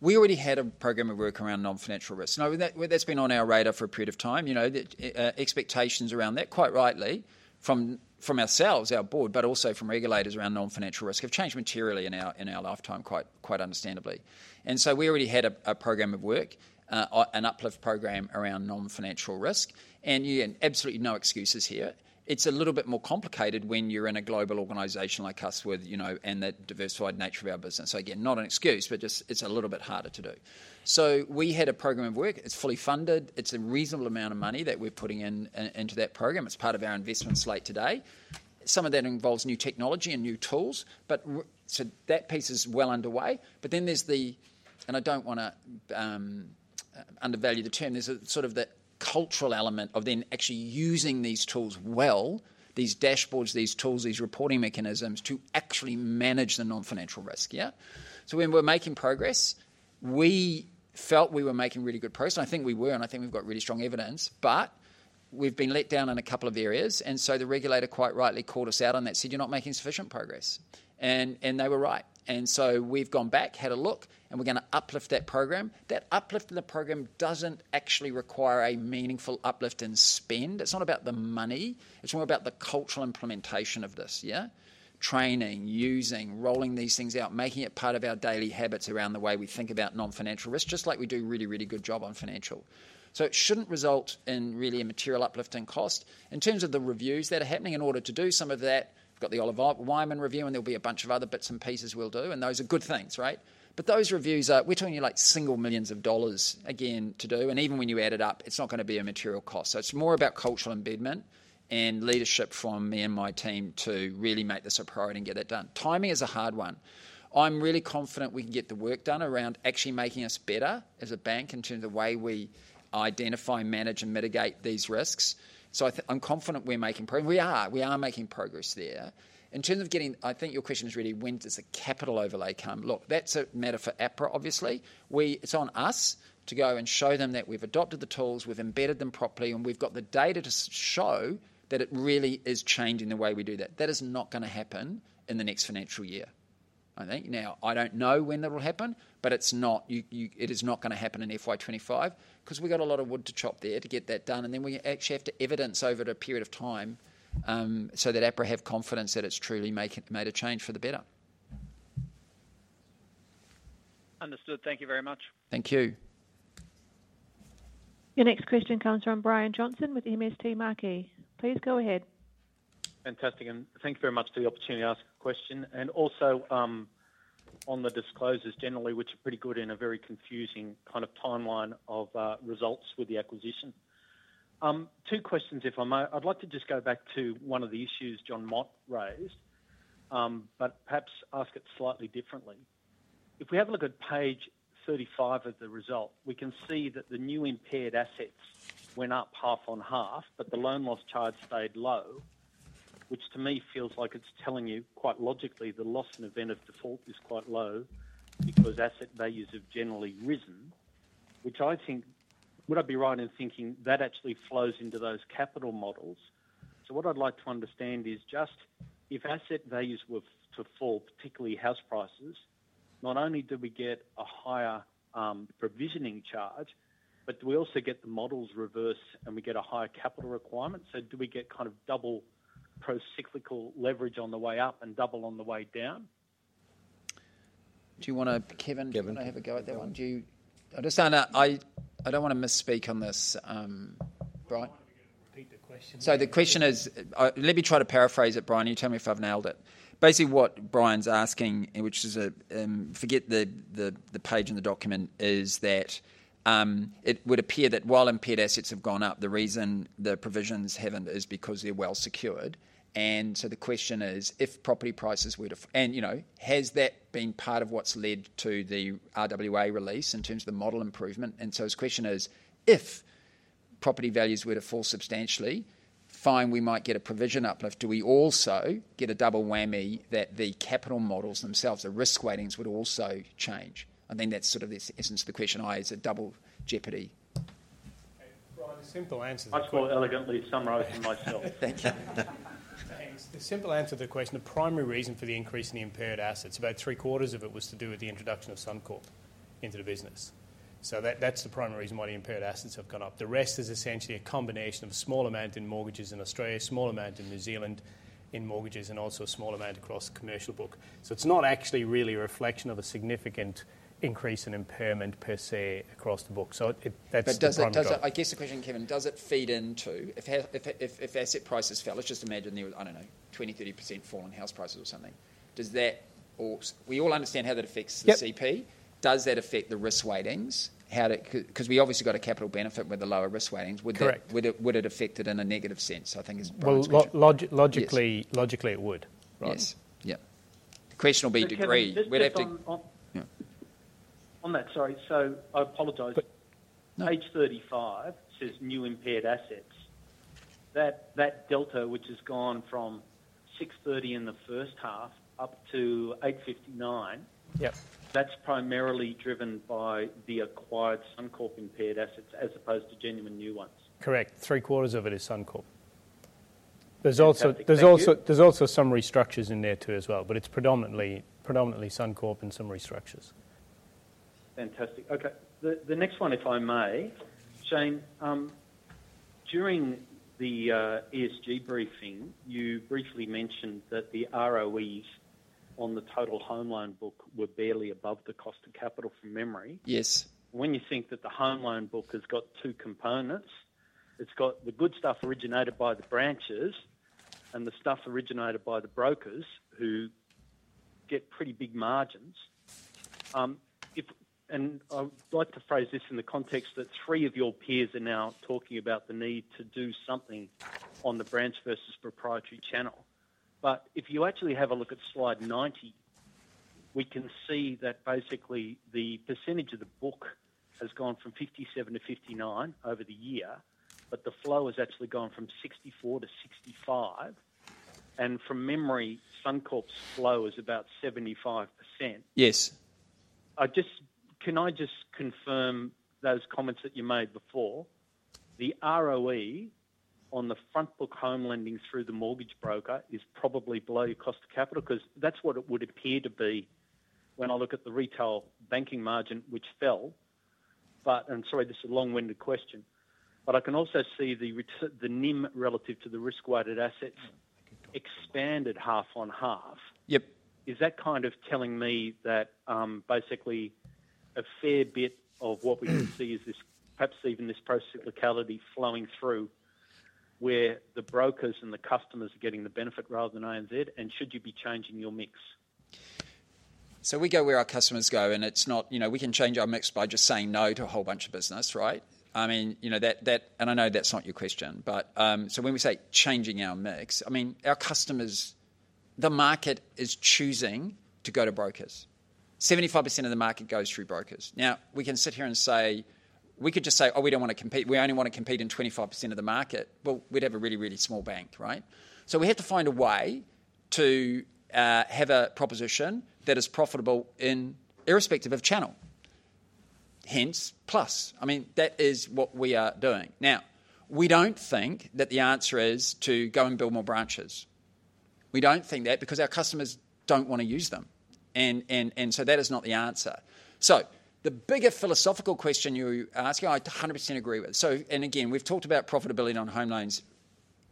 we already had a program of work around non-financial risk. Now that's been on our radar for a period of time. You know, expectations around that, quite rightly from ourselves, our board, but also from regulators around non-financial risk have changed materially in our lifetime, quite understandably. And so we already had a program of work, an uplift program around non-financial risk. And absolutely no excuses here. It's a little bit more complicated when you're in a global organization like us and that diversified nature of our business. So again, not an excuse, but just it's a little bit harder to do. So we had a program of work, it's fully funded, it's a reasonable amount of money that we're putting into that program. It's part of our investment slate today. Some of that involves new technology and new tools. So that piece is well underway. But then there's the, and I don't want to undervalue the term, there's sort of the cultural element of then actually using these tools. Well, these dashboards, these tools, these reporting mechanisms to actually manage the non-financial risk. Yeah. So when we're making progress, we felt we were making really good progress and I think we were and I think we've got really strong evidence, but we've been let down in a couple of areas. And so the regulator quite rightly called us out on that, said you're not making sufficient progress. And they were right. And so we've gone back, had a look and we're going to uplift that program. That uplift in the program doesn't actually require a meaningful uplift in spend. It's not about the money, it's more about the cultural implementation of this. Yeah, training, using, rolling these things out, making it part of our daily habits around the way we think about non-financial risk. Just like we do really, really good job on financial. So it shouldn't result in really a material uplifting cost in terms of the reviews that are happening in order to some of that we've got the Oliver Wyman review and there'll be a bunch of other bits and pieces we'll do. And those are good things. Right. But those reviews are. We're talking like single millions of dollars again to do. And even when you add it up, it's not going to be a material cost. So it's more about cultural embedment and leadership from me and my team to really make this a priority and get that done. Timing is a hard one. I'm really confident we can get the work done around actually making us better as a bank in terms of the way we identify, manage and mitigate these risks. So I'm confident we're making progress. We are, we are making progress there in terms of getting. I think your question is really, when does the capital overlay come? Look, that's a matter for APRA. Obviously it's on us to go and show them that we've adopted the tools, we've embedded them properly and we've got the data to show that it really is changing the way we do that. That is not going to happen in the next financial year, I think. Now I don't know when that will happen, but it's not. It is not going to happen in FY25 because we've got a lot of wood to chop there to get that done. Then we actually have to evidence over a period of time so that APRA have confidence that it's truly made a change for the better. Understood. Thank you very much. Thank you. The next question comes from Brian Johnson with MST Marquee. Please go ahead. Fantastic. And thank you very much for the opportunity to ask a question. And also on the disclosures generally, which are pretty good in a very confusing kind of timeline of results with the acquisition, two questions, if I may. I'd like to just go back to one of the issues Jonathan Mott raised, but perhaps ask it slightly differently. If we have a look at page 35 of the result, we can see that the new impaired assets went up half on half, but the loan loss charge stayed low, which to me feels like it's telling you quite logically the loss given default is quite low because asset values have generally risen, which I think, would I be right in thinking that actually flows into those capital models? So what I'd like to understand is just if asset values were to fall, particularly house prices, not only did we get a higher provisioning charge, but do we also get the models reversed and we get a higher capital requirement? So do we get kind of double pro cyclical leverage on the way up and double on the way down? Do you want to, Kevin, have a go at that one? I don't want to misspeak on this, Brian. So the question is, let me try to paraphrase it, Brian. You tell me if I've nailed it. Basically what Brian's asking, which is a forget the page in the document, is that it would appear that while impaired assets have gone up, the reason the provisions haven't is because they're well secured. And so the question is if property prices were to and, you know, has that been part of what's led to the RWA release in terms of the model improvement? And so his question is, if property values were to fall substantially, fine, we might get a provision uplift. Do we also get a double whammy that the capital models themselves, the risk weightings would also change? I think that's sort of the essence of the question. It is a double jeopardy. Brian. Simple answer, much more elegantly summarized myself. Thank you. Thanks. The simple answer to the question, the primary reason for the increase in the. Impaired assets, about three quarters of it, was to do with the introduction of Suncorp into the business. So that's the primary reason why the. Impaired assets have gone up. The rest is essentially a combination of small amount in mortgages in Australia, small amount in New Zealand in mortgages, and also a small amount across the commercial book, so it's not actually really reflecting reflection. Of a significant increase in impairment per se across the book. So that's, I guess, the question, Kevin, does it feed into if asset prices fell? Let's just imagine there was, I don't know, 20%-30% fall in house prices or something. Does that. Or we all understand how that affects the CP. Does that affect the risk weightings? Because we obviously got a capital benefit with the lower risk weightings. Correct. Would it affect it in a negative sense? I think is. Well, logically it would, yes. Yeah. The question will be degree. We'd have to on that. Sorry. So I apologize. Page 35 says new impaired assets. That delta, which has gone from 630 in the first half up to 859, that's primarily driven by the acquired Suncorp impaired assets as opposed to genuine new ones. Correct. Three quarters of it is Suncorp. There's also some restructures in there too. As well, but it's predominantly Suncorp and some restructures. Fantastic. Okay, the next one, if I may, Shane. During the ESG briefing, you briefly mentioned that the ROEs on the total home loan book were barely above the cost of capital, from memory. Yes. When you think that the home loan book has got two components. It's got the good stuff originated by the branches and the stuff originated by the brokers who get pretty big margins. And I'd like to phrase this in the context that three of your peers are now talking about the need to do something on the branch versus proprietary channel. But if you actually have a look at slide 90, we can see that basically the percentage of the book has gone from 57% to 59% over the year. But the flow has actually gone from 64% to 65%. And from memory, Suncorp's flow is about 75%. Yes. Can I just confirm those comments that you made before the ROE on the front book? Home lending through the mortgage broker is pretty probably below your cost of capital because that's what it would appear to be when I look at the retail banking margin, which fell. But, and sorry, this is a long-winded question, but I can also see the NIM relative to the risk-weighted assets expanded half on half. Yep. Is that kind of telling me that basically a fair bit of what we see is this, perhaps even this pro-cyclicality flowing through where the brokers and the customers are getting the benefit rather than ANZ? And should you be changing your mix? So we go where our customers go and it's not, you know, we can change our mix by just saying no to a whole bunch of business. Right. I mean, you know that and I know that's not your question. But so when we say changing our mix, I mean our customers, the market is choosing to go to brokers. 75% of the market goes through brokers. Now we can sit here and say, we could just say, oh, we don't want to compete, we only want to compete in 25% of the market. Well, we'd have a really, really small bank. Right. So we have to find a way to have a proposition that is profitable irrespective of channel. Hence plus. I mean that is what we are doing now we don't think that the answer is to go and build more branches. We don't think that because our customers don't want to use them, and so that is not the answer, so the bigger philosophical question you ask, I 100% agree with, so and again we've talked about profitability on home loans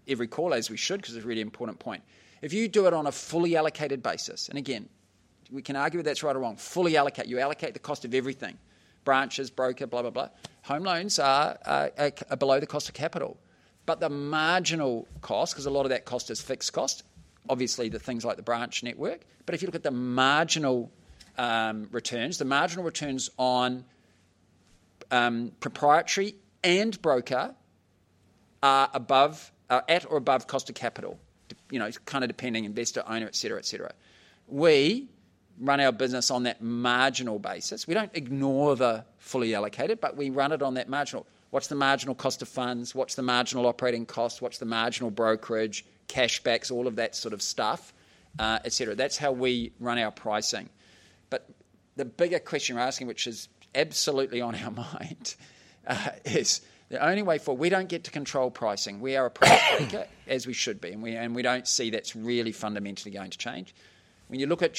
every call as we should because it's a really important point. If you do it on a fully allocated basis and again we can argue that's right or wrong. Fully allocate. You allocate the cost of everything. Branches, broker, blah blah blah. Home loans are below the cost of capital, but the marginal cost because a lot of that cost is fixed cost, obviously the things like the branch network. But if you look at the marginal returns, the marginal returns on proprietary and broker are above, at or above cost of capital. You know, kind of depending investor, owner, et cetera, et cetera. We run our business on that marginal basis. We don't ignore the fully allocated, but we run it on that marginal. What's the marginal cost of funds, what's the marginal operating cost, what's the marginal brokerage, cashbacks, all of that sort of stuff, et cetera. That's how we run our pricing. But the bigger question you're asking, which is absolutely on our mind, is the only way for we don't get to control pricing. We are a price maker as we should be and we don't see that's really fundamentally going to change. When you look at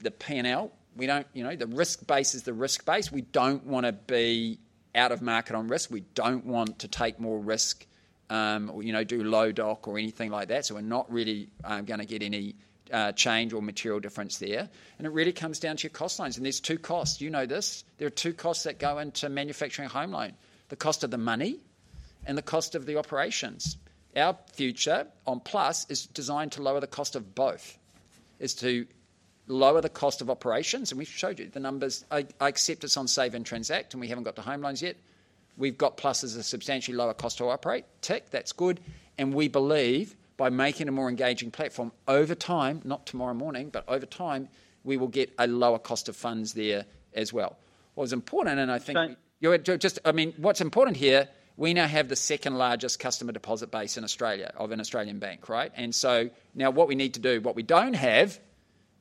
the P&L, we don't, you know, the risk base is the risk base. We don't want to be out of market on risk, we don't want to take more risk or, you know, do low doc or anything like that. So we're not really going to get any change or material difference there, and it really comes down to your cost lines and there's two costs. You know this, there are two costs that go into manufacturing a home loan, the cost of the money and the cost of the operations. Our future ANZ Plus is designed to lower the cost of both, is to lower the cost of operations. And we showed you the numbers. I accept it's on Save and Transact. And we haven't got the home loans yet. We've got Plus has a substantially lower cost to operate. Tick. That's good. And we believe by making a more engaging platform over time, not tomorrow morning, but over time we will get a lower cost of funds there as well. What was important and I think just, I mean, what's important here. We now have the second largest customer deposit base in Australia of an Australian bank. Right. And so now what we need to do, what we don't have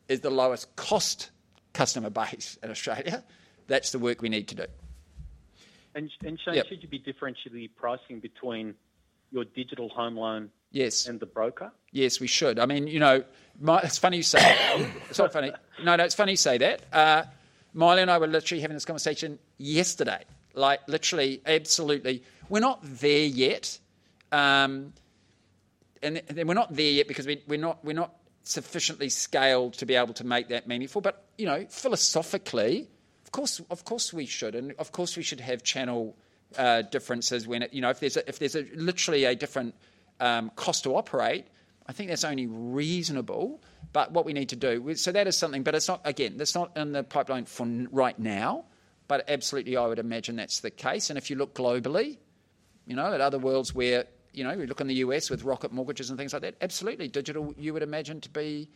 is the lowest cost customer base in Australia. That's the work we need to do. Shane, should you be differentiate pricing between your digital home loan and the broker? Yes, we should. I mean, you know, it's funny you say. It's not funny. No, no, it's funny you say that. Maile and I were literally having this conversation yesterday, like literally. Absolutely. We're not there yet because we're not sufficiently scaled to be able to make that meaningful. But you know, philosophically, of course, of course we should, and of course we should have channel differences when, you know, if there's literally a different cost to operate. I think that's only reasonable. But what we need to do. So that is something, but it's not, again, that's not in the pipeline for right now, but absolutely, I would imagine that's the case, and if you look globally, you know, at other worlds where you know we look in the US with Rocket Mortgage and things like that. Absolutely, digital you would imagine to be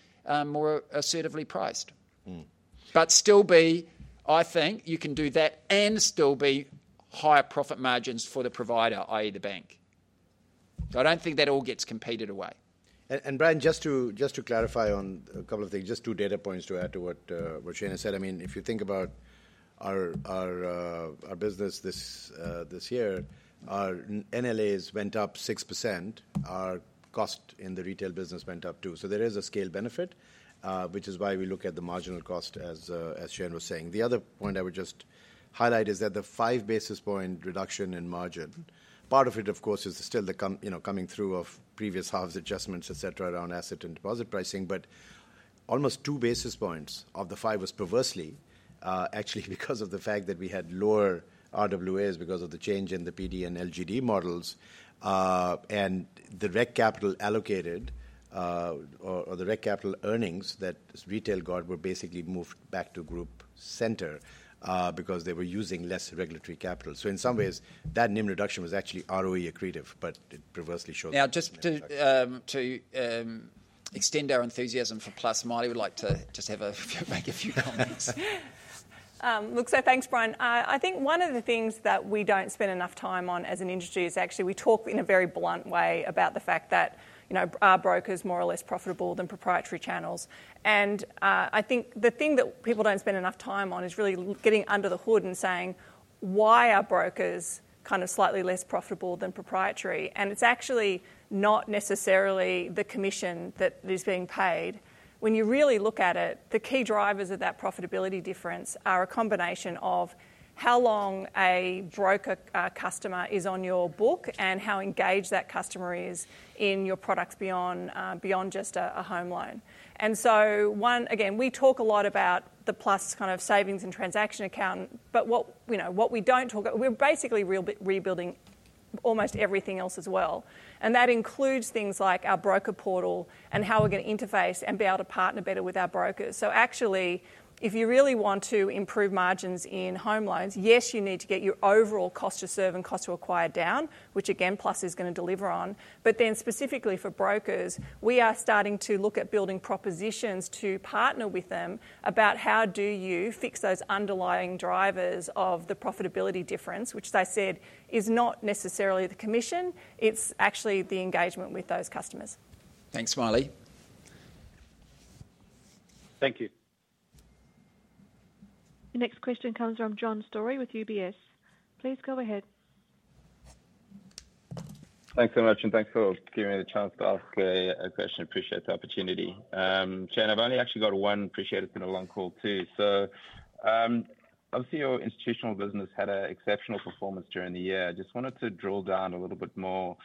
more assertively priced but still be, I think you can do that and still be higher profit margins for the provider, that is, the bank. I don't think that all gets competed away. And Brian, just to clarify on a couple of things, just two data points to add to what Shayne said. I mean if you think about our business this year our NLAs went up 6%. Our costs in the retail business went up too. So there is a scale benefit which is why we look at the marginal cost as Shayne was saying. The other point I would just highlight is that the five basis points reduction in margin part of it of course is still the, you know, coming through of previous halves, adjustments, etc. Around asset and deposit pricing. But almost two basis points of the five was perversely actually because of the fact that we had lower RWAs because of the change in the PD and LGD models and the REC capital allocated or the REC capital earnings that retail got were basically moved back to group center because they were using less regulatory capital. So in some ways that NIM reduction was actually ROE accretive but it now. Just to extend our enthusiasm for Plus Mailee we'd like to just have to make a few comments. Look, so thanks Brian. I think one of the things that we don't spend enough time on as an industry is actually we talk in a very blunt way about the fact that our brokers more or less profitable than proprietary channels. And I think the thing that people don't spend enough time on is really getting under the hood and saying why are brokers kind of slightly less profitable than proprietary? And it's actually not necessarily the commission that is being paid. When you really look at it, the key drivers of that profitability difference are a combination of how long a broker customer is on your book and how engaged that customer is in your products beyond just a home loan. Once again we talked about a lot about the plus kind of savings and transaction account but what we don't talk about we're basically rebuilding almost everything else as well. That includes things like our broker portal and how we're going to interface and be able to partner better with our brokers. Actually if you really want to improve margins in home loans, yes you need to get your overall cost to serve and cost to acquire down which again plus is going to deliver on. But then specifically for brokers, we are starting to look at building propositions to partner with them about how do you fix those underlying drivers of the profitability difference which as I said is not necessarily the commission, it's actually the engagement with those customers. Thanks Maile. Thank you. The next question comes from John Storey with UBS. Please go ahead. Thanks so much and thanks for giving me the chance to ask a question. I appreciate the opportunity Shane. I've only actually got one appreciate it's been a long call too. So obviously your institutional business had an exceptional performance during the year. Just wanted to drill down a little bit more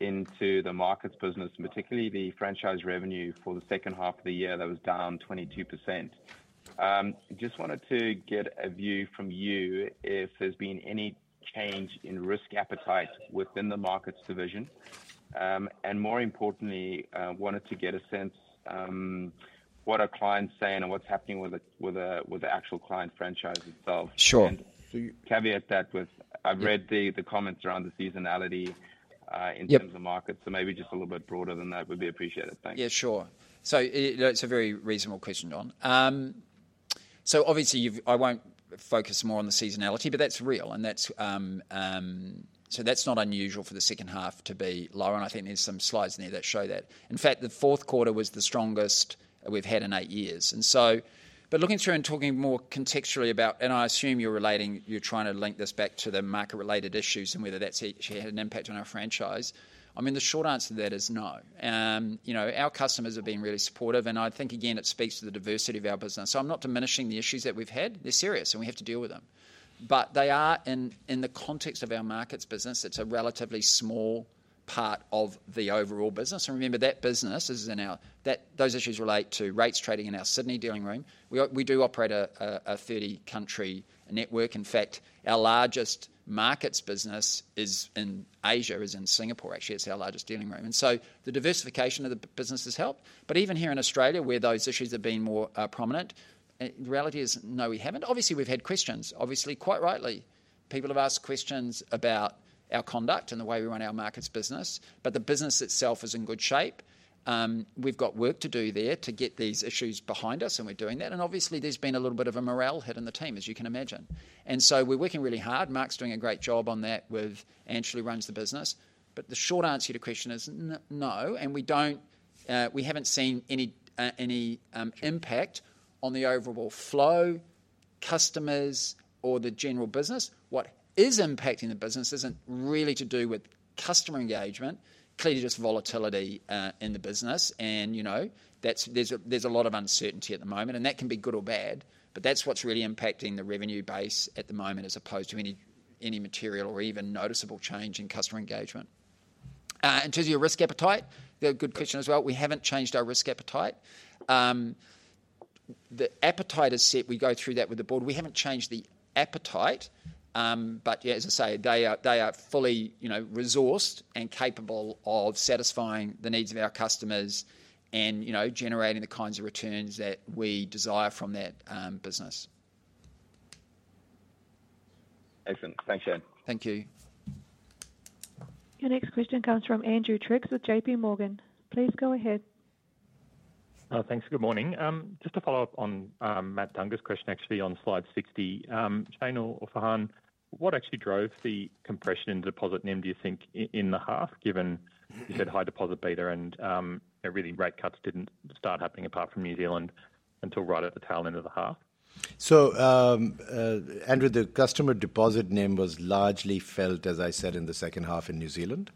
into the markets business particularly the franchise revenue for the second half of the year that was down 22%. Just wanted to get a view from you if there's been any change in risk appetite within the markets division and more importantly wanted to get a sense what are clients saying and what's happening with it with the actual client franchise itself. Sure. Caveat that with. I've read the comments around the seasonality in terms of markets, so maybe just a little bit broader than that would be appreciated. Thanks. Yeah, sure. So it's a very reasonable question, John. So obviously I won't focus more on the seasonality, but that's real, and that's not unusual for the second half to be lower. And I think there's some slides in there that show that in fact the fourth quarter was the strongest we've had in eight years. But looking through and talking more contextually about, and I assume you're relating, you're trying to link this back to the market related issues and whether that's actually had an impact on our franchise. I mean, the short answer to that is no. Our customers have been really supportive, and I think again it speaks to the diversity of our business. So I'm not diminishing the issues that we've had. They're serious, and we have to deal with them, but they are in the context of our markets business. It's a relatively small part of the overall business, and remember that business is in Australia. Those issues relate to rates trading. In our Sydney dealing room, we do operate a 30-country network. In fact, our largest markets business is in Asia, is in Singapore. Actually, it's our largest dealing room, and so the diversification of the business has helped. But even here in Australia, where those issues have been more prominent, reality is, no, we haven't. Obviously, we've had questions. Obviously, quite rightly, people have asked questions about our conduct and the way we run our markets business, but the business itself is in good shape. We've got work to do there to get these issues behind us, and we're doing that, and obviously there's been a little bit of a morale hit in the team, as you can imagine, and so we're working really hard. Mark's doing a great job on that with Anshul who runs the business. The short answer to question is no. We haven't seen any impact on the overall flow, customers or the general business. What is impacting the business isn't really to do with customer engagement, clearly just volatility in the business and there's a lot of uncertainty at the moment and that can be good or bad, but that's what's really impacting the revenue base at the moment as opposed to any material or even noticeable change in customer engagement in terms of your risk appetite. Good question as well. We haven't changed our risk appetite. The appetite is set. We go through that with the board. We haven't changed the appetite but as I say, they are fully resourced and capable of satisfying the needs of our customers and generating the kinds of returns that we desire from that business. Excellent. Thanks, Shane. Thank you. Your next question comes from Andrew Triggs with JP Morgan. Please go ahead. Thanks. Good morning. Just to follow up on Matt Dunger's question, actually on slide 60, Shane or Farhan, what actually drove the compression in deposit NIM, do you think, in the. Half, given you said high deposit beta. Really rate cuts didn't start happening apart from New Zealand until right at the tail end of the half. So Andrew, the customer deposit NIM was largely felt, as I said, in the second half in New Zealand.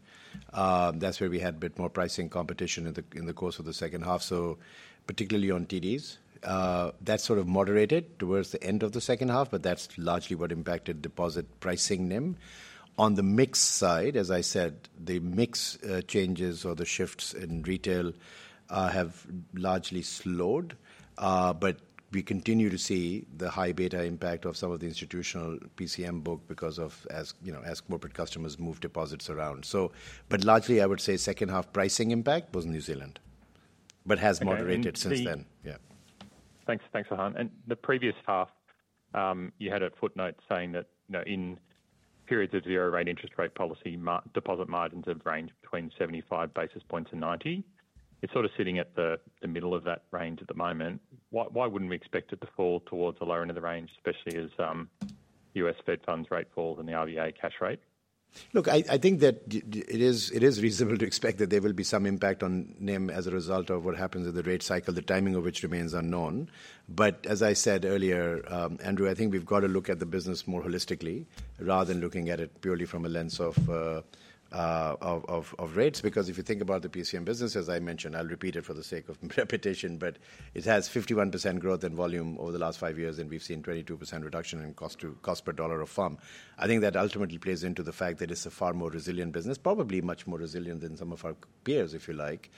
That's where we had a bit more pricing competition in the course of the second half. So particularly on TDs that sort of moderated towards the end of the second half, but that's largely what impacted deposit pricing NIM. On the mix side, as I said, the mix changes or the shifts in retail have largely slowed but we continue to see the high beta impact of some of the institutional PCM book because of, as you know, as corporate customers move deposits around. So, but largely, I would say second half pricing impact was New Zealand, but has moderated since then. Yeah, thanks, thanks. And the previous half you had a footnote saying that, you know, in periods of zero rate interest rate policy, deposit margins have ranged between 75 basis points and 90. It's sort of sitting at the middle of that range at the moment. Why wouldn't we expect it to fall towards the lower end of the range, especially as U.S. fed funds rate falls in the RBA cash rate? Look, I think that it is, it is reasonable to expect that there will be some impact on NIM as a result of what happens in the rate cycle, the timing of which remains unknown. But as I said earlier Andrew, I think we've got to look at the business more holistically rather than looking at it purely from a lens of rates. Because if you think about the PCM business as I mentioned, I'll repeat it for the sake of repetition, but it has 51% growth in volume over the last five years and we've seen 22% reduction in cost per dollar of farm. I think that ultimately plays into the fact that it's a far more resilient business, probably much more resilient than some of our peers. If you're like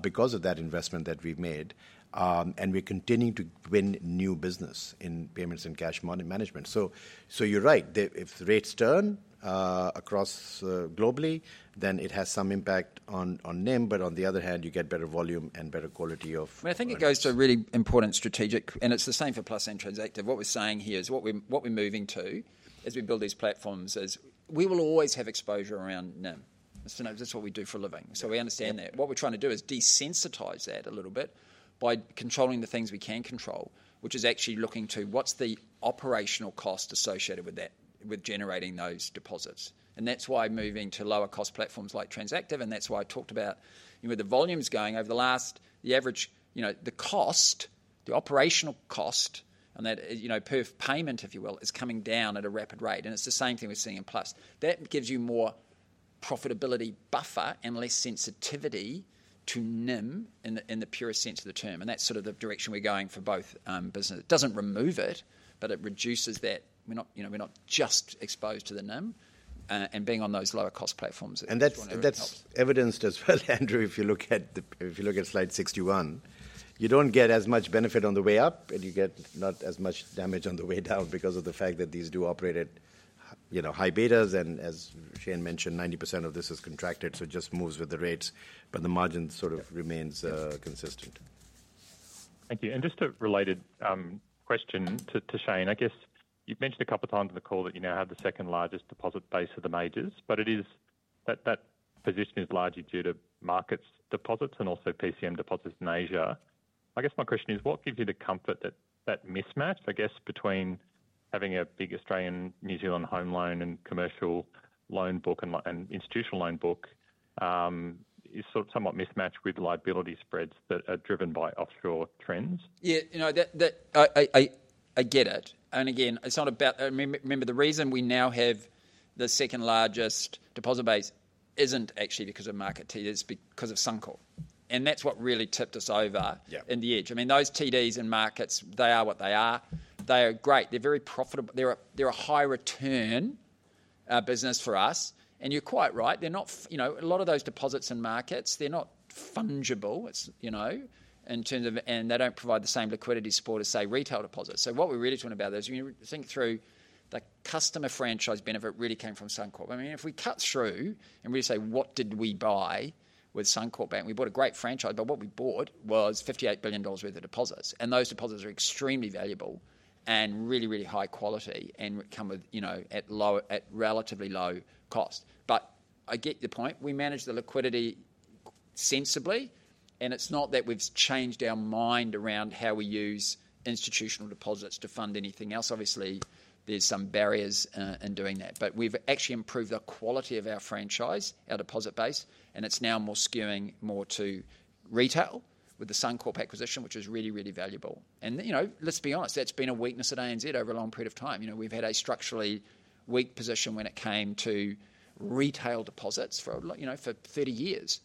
because of that investment that we've made and we continue to win new business in payments and cash management. So, you're right. If the rates turn across globally then it has some impact on NIM. But on the other hand you get better volume and better quality of. I think it goes to a really important strategy and it's the same for Plus and Transactive. What we're saying here is what we, what we're moving to as we build these platforms as we will always have exposure around NIM. NIM, that's what we do for a living. So we understand that what we're trying to do is desensitize that a little bit by controlling the things we can control which is actually looking to what's the operational cost associated with generating those deposits. And that's why moving to lower cost platforms like Transactive and that's why I talked about the volumes going over the last, the average, the cost, the operational cost and that per payment if you will, is coming down at a rapid rate. And it's the same thing we're seeing in Plus. That gives you more profitability buffer and less sensitivity to NIM in the purest sense of the term, and that's sort of the direction we're going for both business. It doesn't remove it, but it reduces that. We're not just exposed to the NIM and being on those lower cost platforms. That's evidenced as well. Andrew, if you look at slide 61, you don't get as much benefit on the way up and you get not as much damage on the way down because of the fact that these do operate at, you know, high betas. As Shane mentioned, 90% of this is contracted. So just moves with the rates, but the margin sort of remains consistent. Thank you. And just a related question to Shane. I guess you've mentioned a couple of times in the call that you now have the second largest deposit base of the majors. But it is that that position is largely due to markets deposits and also PCM deposits in Asia. I guess my question is, what gives you the comfort that that mismatch, I guess between having a big Australian New Zealand home loan and commercial loan book and institutional loan book is somewhat mismatched with liability spreads that are driven by offshore trends? Yeah, you know, I get it. And again, it's not about, remember, the reason we now have the second largest deposit base isn't actually because of market. It's because of Suncorp. And that's what really tipped us over the edge. I mean, those TDs and markets, they are what they are. They are great. They're very profitable. They're a high return business for us. And you're quite right, they're not. You know, a lot of those deposits in markets, they're not fungible, you know, in terms of, and they don't provide the same liquidity support as say, retail deposits. So what we're really talking about is you think through the customer franchise benefit really came from Suncorp. I mean, if we cut through and we say, what did we buy with Suncorp Bank? We bought a great franchise, but what we bought was 58 billion dollars worth of deposits. And those deposits are extremely valuable and really, really high quality and come with, you know, at low, at relatively low cost. But I get the point. We manage the liquidity sensibly. And it's not that we've changed our mind around how we use institutional deposits to fund anything else. Obviously there's some barriers in doing that, but we've actually improved the quality of our franchise, our deposit base. And it's now more skewing, more to retail with the Suncorp acquisition, which is really, really valuable. And you know, let's be honest, that's been a weakness at ANZ over a long period of time. You know, we've had a structurally weak position when it came to retail deposits for, you know, for 30 years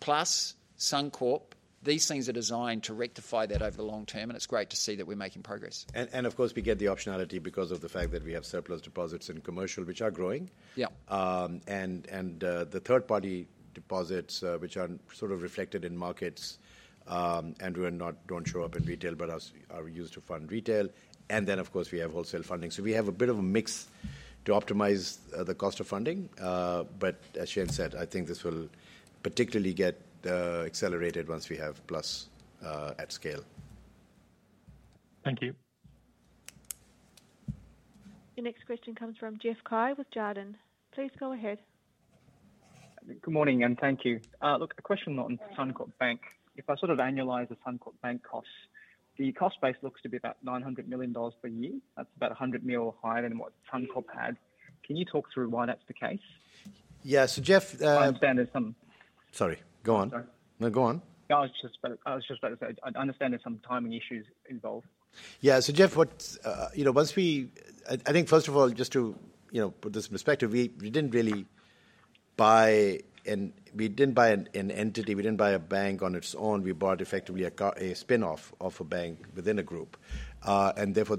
plus. Suncorp, these things are designed to rectify that over the long term. And it's great to see that we're making progress. Of course, we get the optionality because of the fact that we have surplus deposits in commercial which are growing. Yeah, and, and the third party deposits which are sort of reflected in markets and don't show up in retail, but are used to fund retail. And then of course we have wholesale funding. So we have a bit of a mix to optimize the cost of funding. But as Shane said, I think this will particularly get accelerated once we have plus at scale. Thank you. The next question comes from Jeff Cai with Jarden. Please go ahead. Good morning and thank you. Look, a question on Suncorp Bank. If I sort of annualize the Suncorp Bank costs, the cost base looks to be about 900 million dollars per year. That's about 100 mil higher than what Suncorp had. Can you talk through why that's the case? Yeah. So, Jeff. Sorry, go on. No, go on. I was just about to say I understand there's some timing issues involved. Yeah. So, Jeff, what? You know, once we, I think first of all, just to, you know, put this in perspective, we didn't really buy and we didn't buy an entity, we didn't buy a bank on its own. We bought effectively a spin off of a bank within a group. And therefore,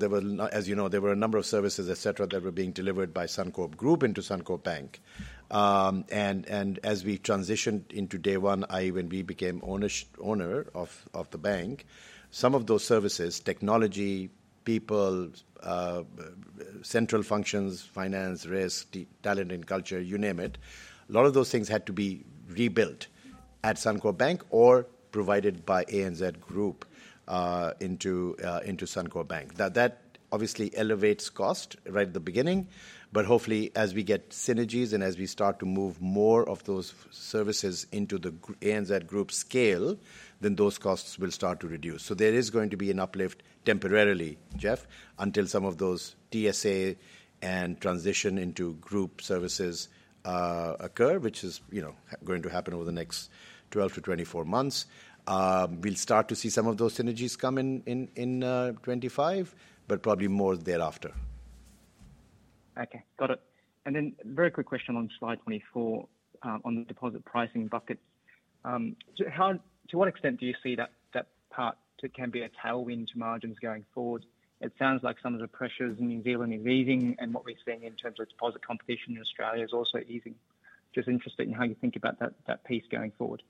as you know, there were a number of services, etcetera, that were being delivered by Suncorp Group into Suncorp Bank. And as we transitioned into day one, that is when we became owner of the bank, some of those services, technology, people, central functions, finance, risk, talent and culture, you name it. A lot of those things had to be rebuilt at Suncorp Bank or provided by ANZ Group into Suncorp Bank. Now that obviously elevates cost right at the beginning, but hopefully as we get synergies and as we start to move more of those services into the ANZ Group scale, then those costs will start to reduce. So there is going to be an uplift temporarily, Jeff, until some of those TSA and transition into group services occur, which is, you know, going to happen over the next 12-24 months. We'll start to see some of those synergies come in 2025, but probably more thereafter. Okay, got it. And then very quick question on slide 24 on the deposit pricing bucket. To what extent do you see that part can be a tailwind to margins going forward? It sounds like some of the pressures in New Zealand is easing and what we're seeing in terms of deposit competition in Australia is also easing. Just interested in how you think about that piece going forward?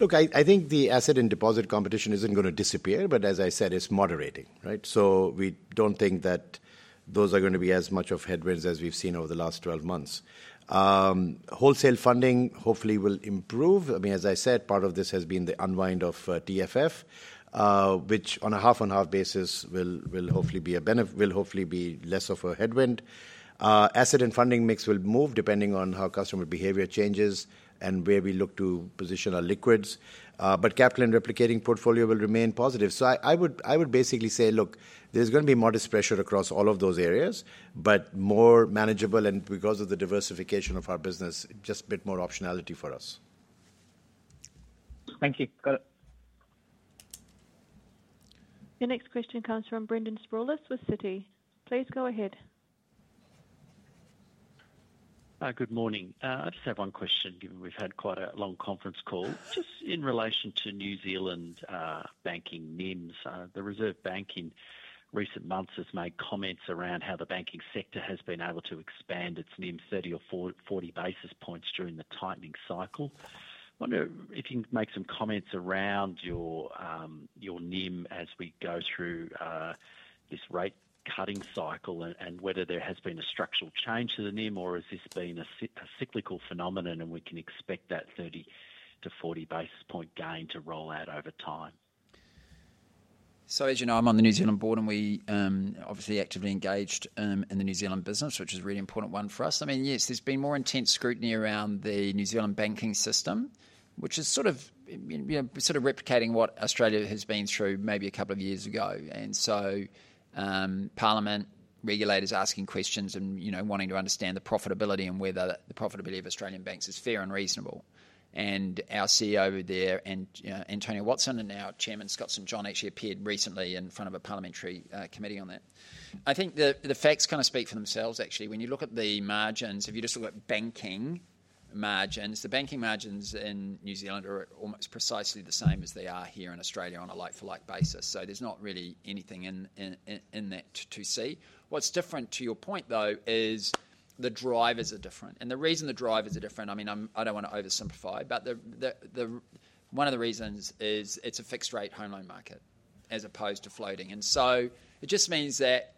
Look, I think the asset and deposit competition isn't going to disappear, but as I said, it's moderating. Right. So we don't think that those are going to be as much of headwinds as we've seen over the last 12 months. Wholesale funding hopefully will improve. I mean as I said, part of this has been the unwind of TFF which on a half basis will hopefully be a benefit, will hopefully be less of a headwind. Asset and funding mix will move depending on how customer behavior changes and where we look to position our liquids. But capital and replicating portfolio will remain positive. So I would basically say look, there's going to be modest pressure across all of those areas but more manageable and because of the diversification of our business, just bit more optionality for us. Thank you. The next question comes from Brendan Sproules with Citi. Please go ahead. Good morning. I just have one question given we've had quite a long conference call just in relation to New Zealand banking NIMs. The Reserve Bank in recent months has made comments around how the banking sector has been able to expand its NIMs 30 or 40 basis points during the tightening cycle. Wonder if you can make some comments around your NIM as we go through this rate cutting cycle and whether there has been a structural change to the NIM or has this been a cyclical phenomenon and we can expect that 30-40 basis point gain to roll out over time. So as you know, I'm on the New Zealand board and we obviously actively engaged in the New Zealand business which is really important one for us. I mean, yes, there's been more intense scrutiny around the New Zealand banking system which is sort of replicating what Australia has been through maybe a couple of years ago. And so parliament regulators asking questions and you know, wanting to understand the profitability and whether the profitability of Australian banks is fair and reasonable. And our CEO there and Antonia Watson and our chairman Scott St John actually appeared recently in front of a parliamentary committee on that. I think the facts kind of speak for themselves actually when you look at the margins. If you just look at banking margins, the banking margins in New Zealand are almost precisely the same as they are here in Australia on a like-for-like basis. So there's not really anything in that to see what's different. To your point though is the drivers are different and the reason the drivers are different. I mean I don't want to oversimplify but one of the reasons is it's a fixed rate home loan market as opposed to floating. And so it just means that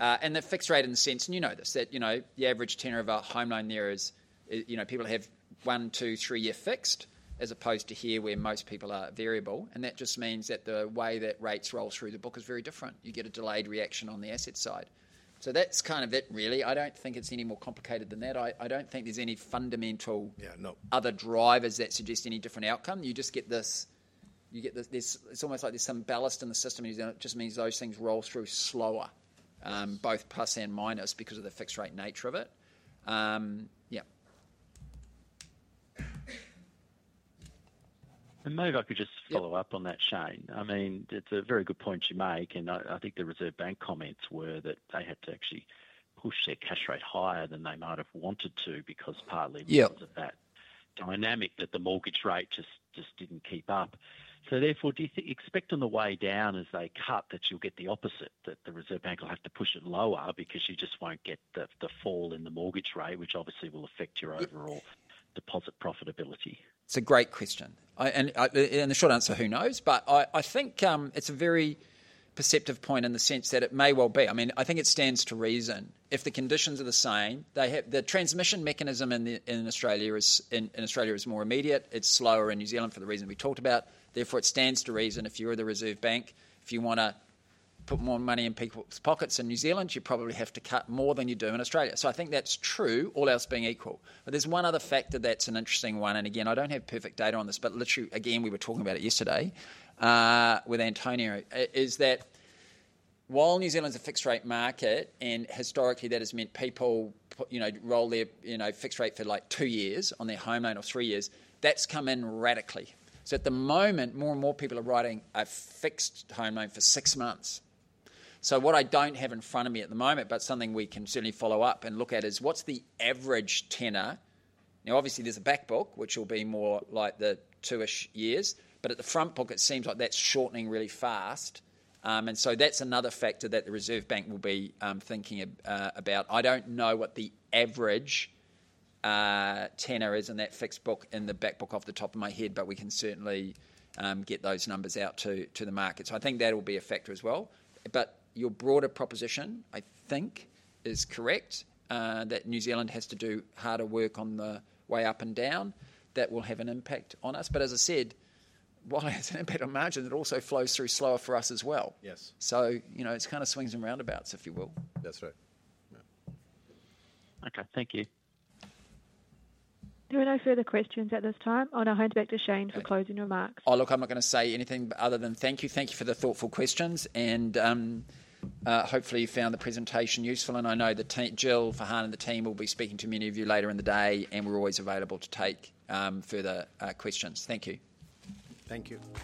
and the fixed rate in the sense, and you know this, that you know the average tenure of a home loan there is you know, people have one, two, three year fixed as opposed to here where most people are variable. That just means that the way that rates roll through the book is very different. You get a delayed reaction on the asset side. So that's kind of it really. I don't think it's any more complicated than that. I don't think there's any fundamental other drivers that suggest any different outcome. You just get this, you get this. It's almost like there's some ballast in the system. It just means those things roll through slower, both plus and minus because of the fixed rate nature of it. Yeah. Maybe I could just follow up on that, Shane. I mean, it's a very good point you make, and I think the Reserve Bank comments were that they had to actually push their cash rate higher than they might have wanted to because partly because of that dynamic that the mortgage rate just didn't keep up. So therefore, do you expect on the way down as they cut that you'll get the opposite, that the Reserve Bank will have to push it lower because you just won't get the fall in the mortgage rate, which obviously will affect your overall deposit profitability? It's a great question and the short answer, who knows? But I think it's a very perceptive point in the sense that it may well be. I mean, I think it stands to reason if the conditions are the same, the transmission mechanism in Australia is more immediate. It's slower in New Zealand for the reason we talked about. Therefore it stands to reason if you're the Reserve Bank, if you want to put more money in people's pockets in New Zealand, you probably have to cut more than you do in Australia. So I think that's true, all else being equal. But there's one other factor that's an interesting one, and again, I don't have perfect data on this. But literally, again, we were talking about it yesterday with Antonia, is that while New Zealand's a fixed rate market, and historically that has meant people roll their fixed rate for like two years on their home loan or three years, that's come in radically. So at the moment, more and more people are writing a fixed home loan for six months. So what I don't have in front of me at the moment, but something we can certainly follow up and look at, is what's the average tenor. Now obviously there's a back book which will be more like the two-ish years, but at the front book it seems like that's shortening really fast. And so that's another factor that the Reserve Bank will be thinking about. I don't know what the average tenor is in that fixed book in the back book off the top of my head, but we can certainly get those numbers out to the market. So I think that will be a factor as well, but your broader proposition I think is correct that New Zealand has to do harder work on the way up and down. That will have an impact on us, but as I said, while it has an impact on margin, it also flows through slower for us as well. Yes. So, you know, it's kind of swings and roundabouts, if you will. That's right. Okay, thank you. There are no further questions at this time. I'll now hand back to Shane for closing. Oh, look, I'm not going to say anything other than thank you, thank you for the thoughtful questions, and hopefully you found the presentation useful. I know that Jill, Farhan, and the team will be speaking to many of you later in the day, and we're always available to take further questions. Thank you, thank you.